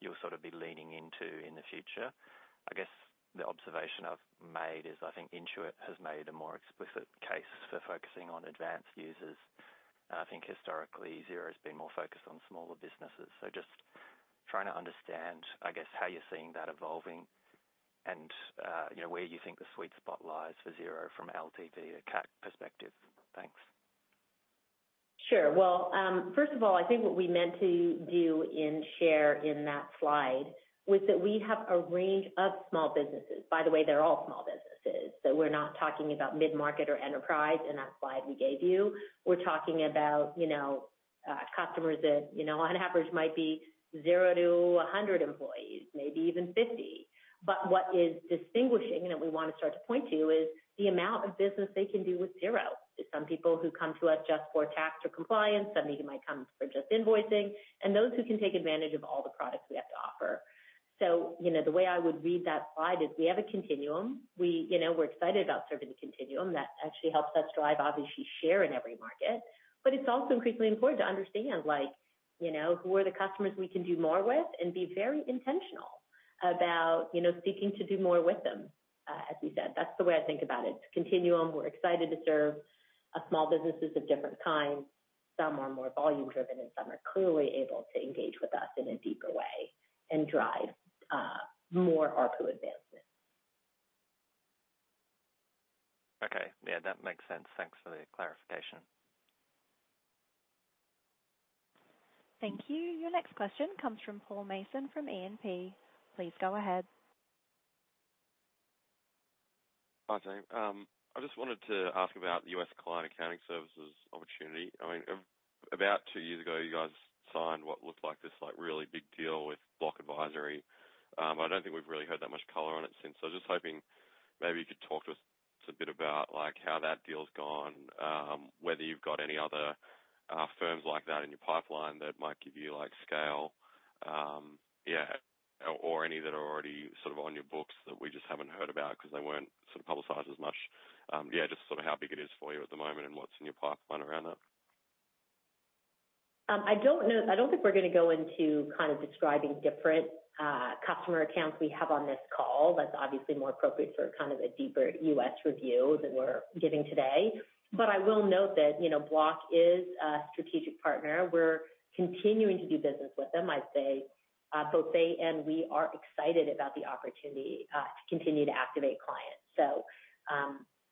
you'll sort of be leaning into in the future? I guess the observation I've made is I think Intuit has made a more explicit case for focusing on advanced users, and I think historically, Xero has been more focused on smaller businesses. So just trying to understand, I guess, how you're seeing that evolving and, you know, where you think the sweet spot lies for Xero from LTV and CAC perspective. Thanks. Sure. Well, first of all, I think what we meant to do and share in that slide was that we have a range of small businesses. By the way, they're all small businesses, so we're not talking about mid-market or enterprise in that slide we gave you. We're talking about, you know, customers that, you know, on average might be zero to 100 employees, maybe even 50. But what is distinguishing, and we want to start to point to, is the amount of business they can do with Xero. There's some people who come to us just for tax or compliance, some even might come for just invoicing, and those who can take advantage of all the products we have to offer. So, you know, the way I would read that slide is we have a continuum. We, you know, we're excited about serving the continuum. That actually helps us drive, obviously, share in every market. But it's also increasingly important to understand, like, you know, who are the customers we can do more with and be very intentional about, you know, seeking to do more with them, as we said. That's the way I think about it. It's a continuum. We're excited to serve, small businesses of different kinds. Some are more volume-driven, and some are clearly able to engage with us in a deeper way and drive, more ARPU advancement. Okay. Yeah, that makes sense. Thanks for the clarification. Thank you. Your next question comes from Paul Mason, from E&P. Please go ahead. Hi, team. I just wanted to ask about the U.S. client accounting services opportunity. I mean, about two years ago, you guys signed what looked like this, like, really big deal with Block Advisory. I don't think we've really heard that much color on it since. So just hoping maybe you could talk to us a bit about, like, how that deal's gone, whether you've got any other, firms like that in your pipeline that might give you, like, scale, yeah, or, or any that are already sort of on your books that we just haven't heard about because they weren't sort of publicized as much. Yeah, just sort of how big it is for you at the moment and what's in your pipeline around that? I don't know. I don't think we're gonna go into kind of describing different customer accounts we have on this call. That's obviously more appropriate for kind of a deeper U.S. review than we're giving today. But I will note that, you know, Block is a strategic partner. We're continuing to do business with them. I'd say both they and we are excited about the opportunity to continue to activate clients. So,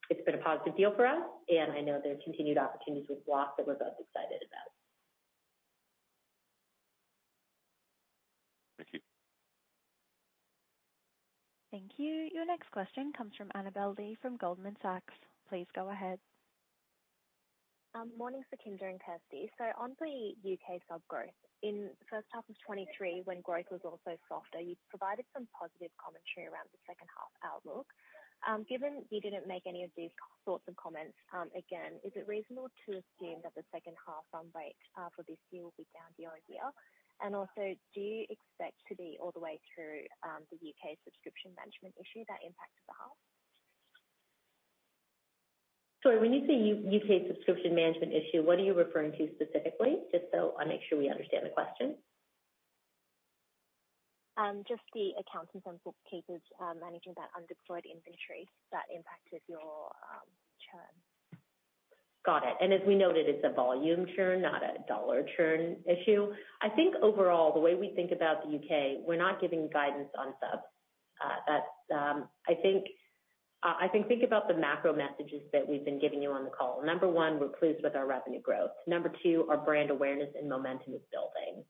it's been a positive deal for us, and I know there are continued opportunities with Block that we're both excited about. Thank you. Thank you. Your next question comes from Annabel Li, from Goldman Sachs. Please go ahead. Morning, Sukhinder and Kirsty. So on the U.K. sub growth, in the first half of 2023, when growth was also softer, you provided some positive commentary around the second half outlook. Given you didn't make any of these sorts of comments, again, is it reasonable to assume that the second half run rate, for this year will be down year-over-year? And also, do you expect to be all the way through, the U.K. subscription management issue that impacted the H1? Sorry, when you say U.K. subscription management issue, what are you referring to specifically? Just so I make sure we understand the question. Just the accountants and bookkeepers managing that undeployed inventory that impacted your churn. Got it. And as we noted, it's a volume churn, not a dollar churn issue. I think overall, the way we think about the U.K., we're not giving guidance on sub. That's, I think about the macro messages that we've been giving you on the call. Number one, we're pleased with our revenue growth. Number two, our brand awareness and momentum is building.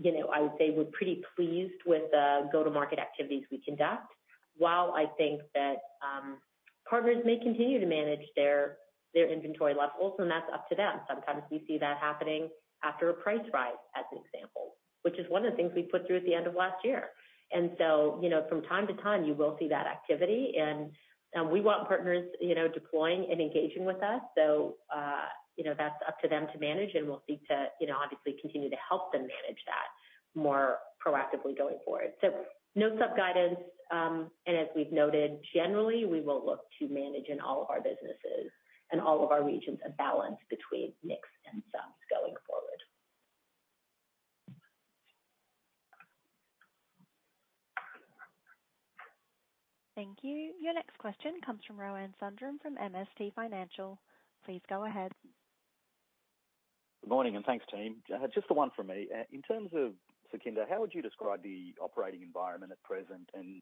You know, I would say we're pretty pleased with the go-to-market activities we conduct, while I think that partners may continue to manage their inventory levels, and that's up to them. Sometimes we see that happening after a price rise, as an example, which is one of the things we put through at the end of last year. And so, you know, from time to time, you will see that activity, and we want partners, you know, deploying and engaging with us. So, you know, that's up to them to manage, and we'll seek to, you know, obviously continue to help them manage that more proactively going forward. So no sub guidance, and as we've noted, generally, we will look to manage in all of our businesses and all of our regions, a balance between mix and subs going forward. Thank you. Your next question comes from Rohan Sundram from MST Financial. Please go ahead. Good morning, and thanks, team. Just the one for me. In terms of Xero, how would you describe the operating environment at present? And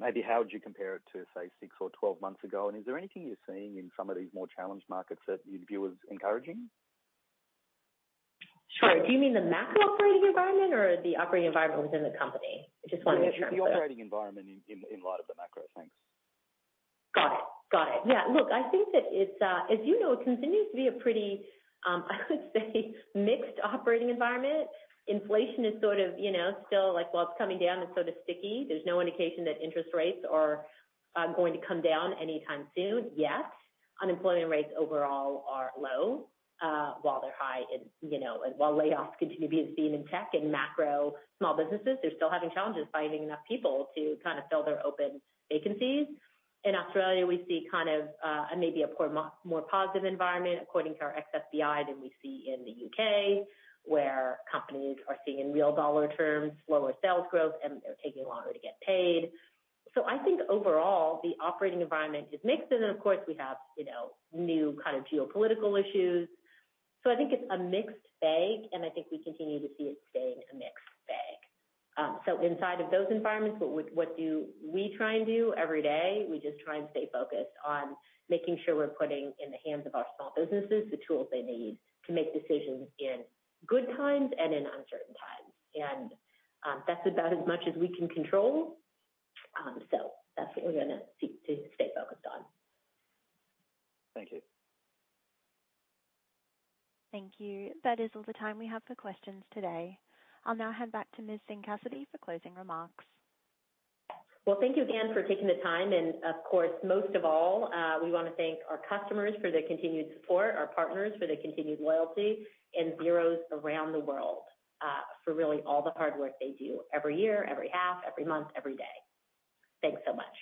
maybe how would you compare it to, say, six or 12 months ago? And is there anything you're seeing in some of these more challenged markets that you'd view as encouraging? Sure. Do you mean the macro operating environment or the operating environment within the company? I just want to make sure- The operating environment in light of the macro. Thanks. Got it. Got it. Yeah, look, I think that it's... As you know, it continues to be a pretty, I would say, mixed operating environment. Inflation is sort of, you know, still like, while it's coming down, it's sort of sticky. There's no indication that interest rates are going to come down anytime soon, yet. Unemployment rates overall are low, while they're high in, you know-- And while layoffs continue to be seen in tech and macro, small businesses are still having challenges finding enough people to kind of fill their open vacancies. In Australia, we see kind of, maybe a poor, more positive environment according to our XSBI than we see in the U.K., where companies are seeing in real dollar terms, lower sales growth, and they're taking longer to get paid. So I think overall, the operating environment is mixed, and then, of course, we have, you know, new kind of geopolitical issues. So I think it's a mixed bag, and I think we continue to see it staying a mixed bag. So inside of those environments, what do we try and do every day? We just try and stay focused on making sure we're putting in the hands of our small businesses the tools they need to make decisions in good times and in uncertain times. And, that's about as much as we can control, so that's what we're gonna seek to stay focused on. Thank you. Thank you. That is all the time we have for questions today. I'll now head back to Ms. Singh Cassidy for closing remarks. Well, thank you again for taking the time, and of course, most of all, we want to thank our customers for their continued support, our partners for their continued loyalty, and Xero's around the world, for really all the hard work they do every year, every half, every month, every day. Thanks so much.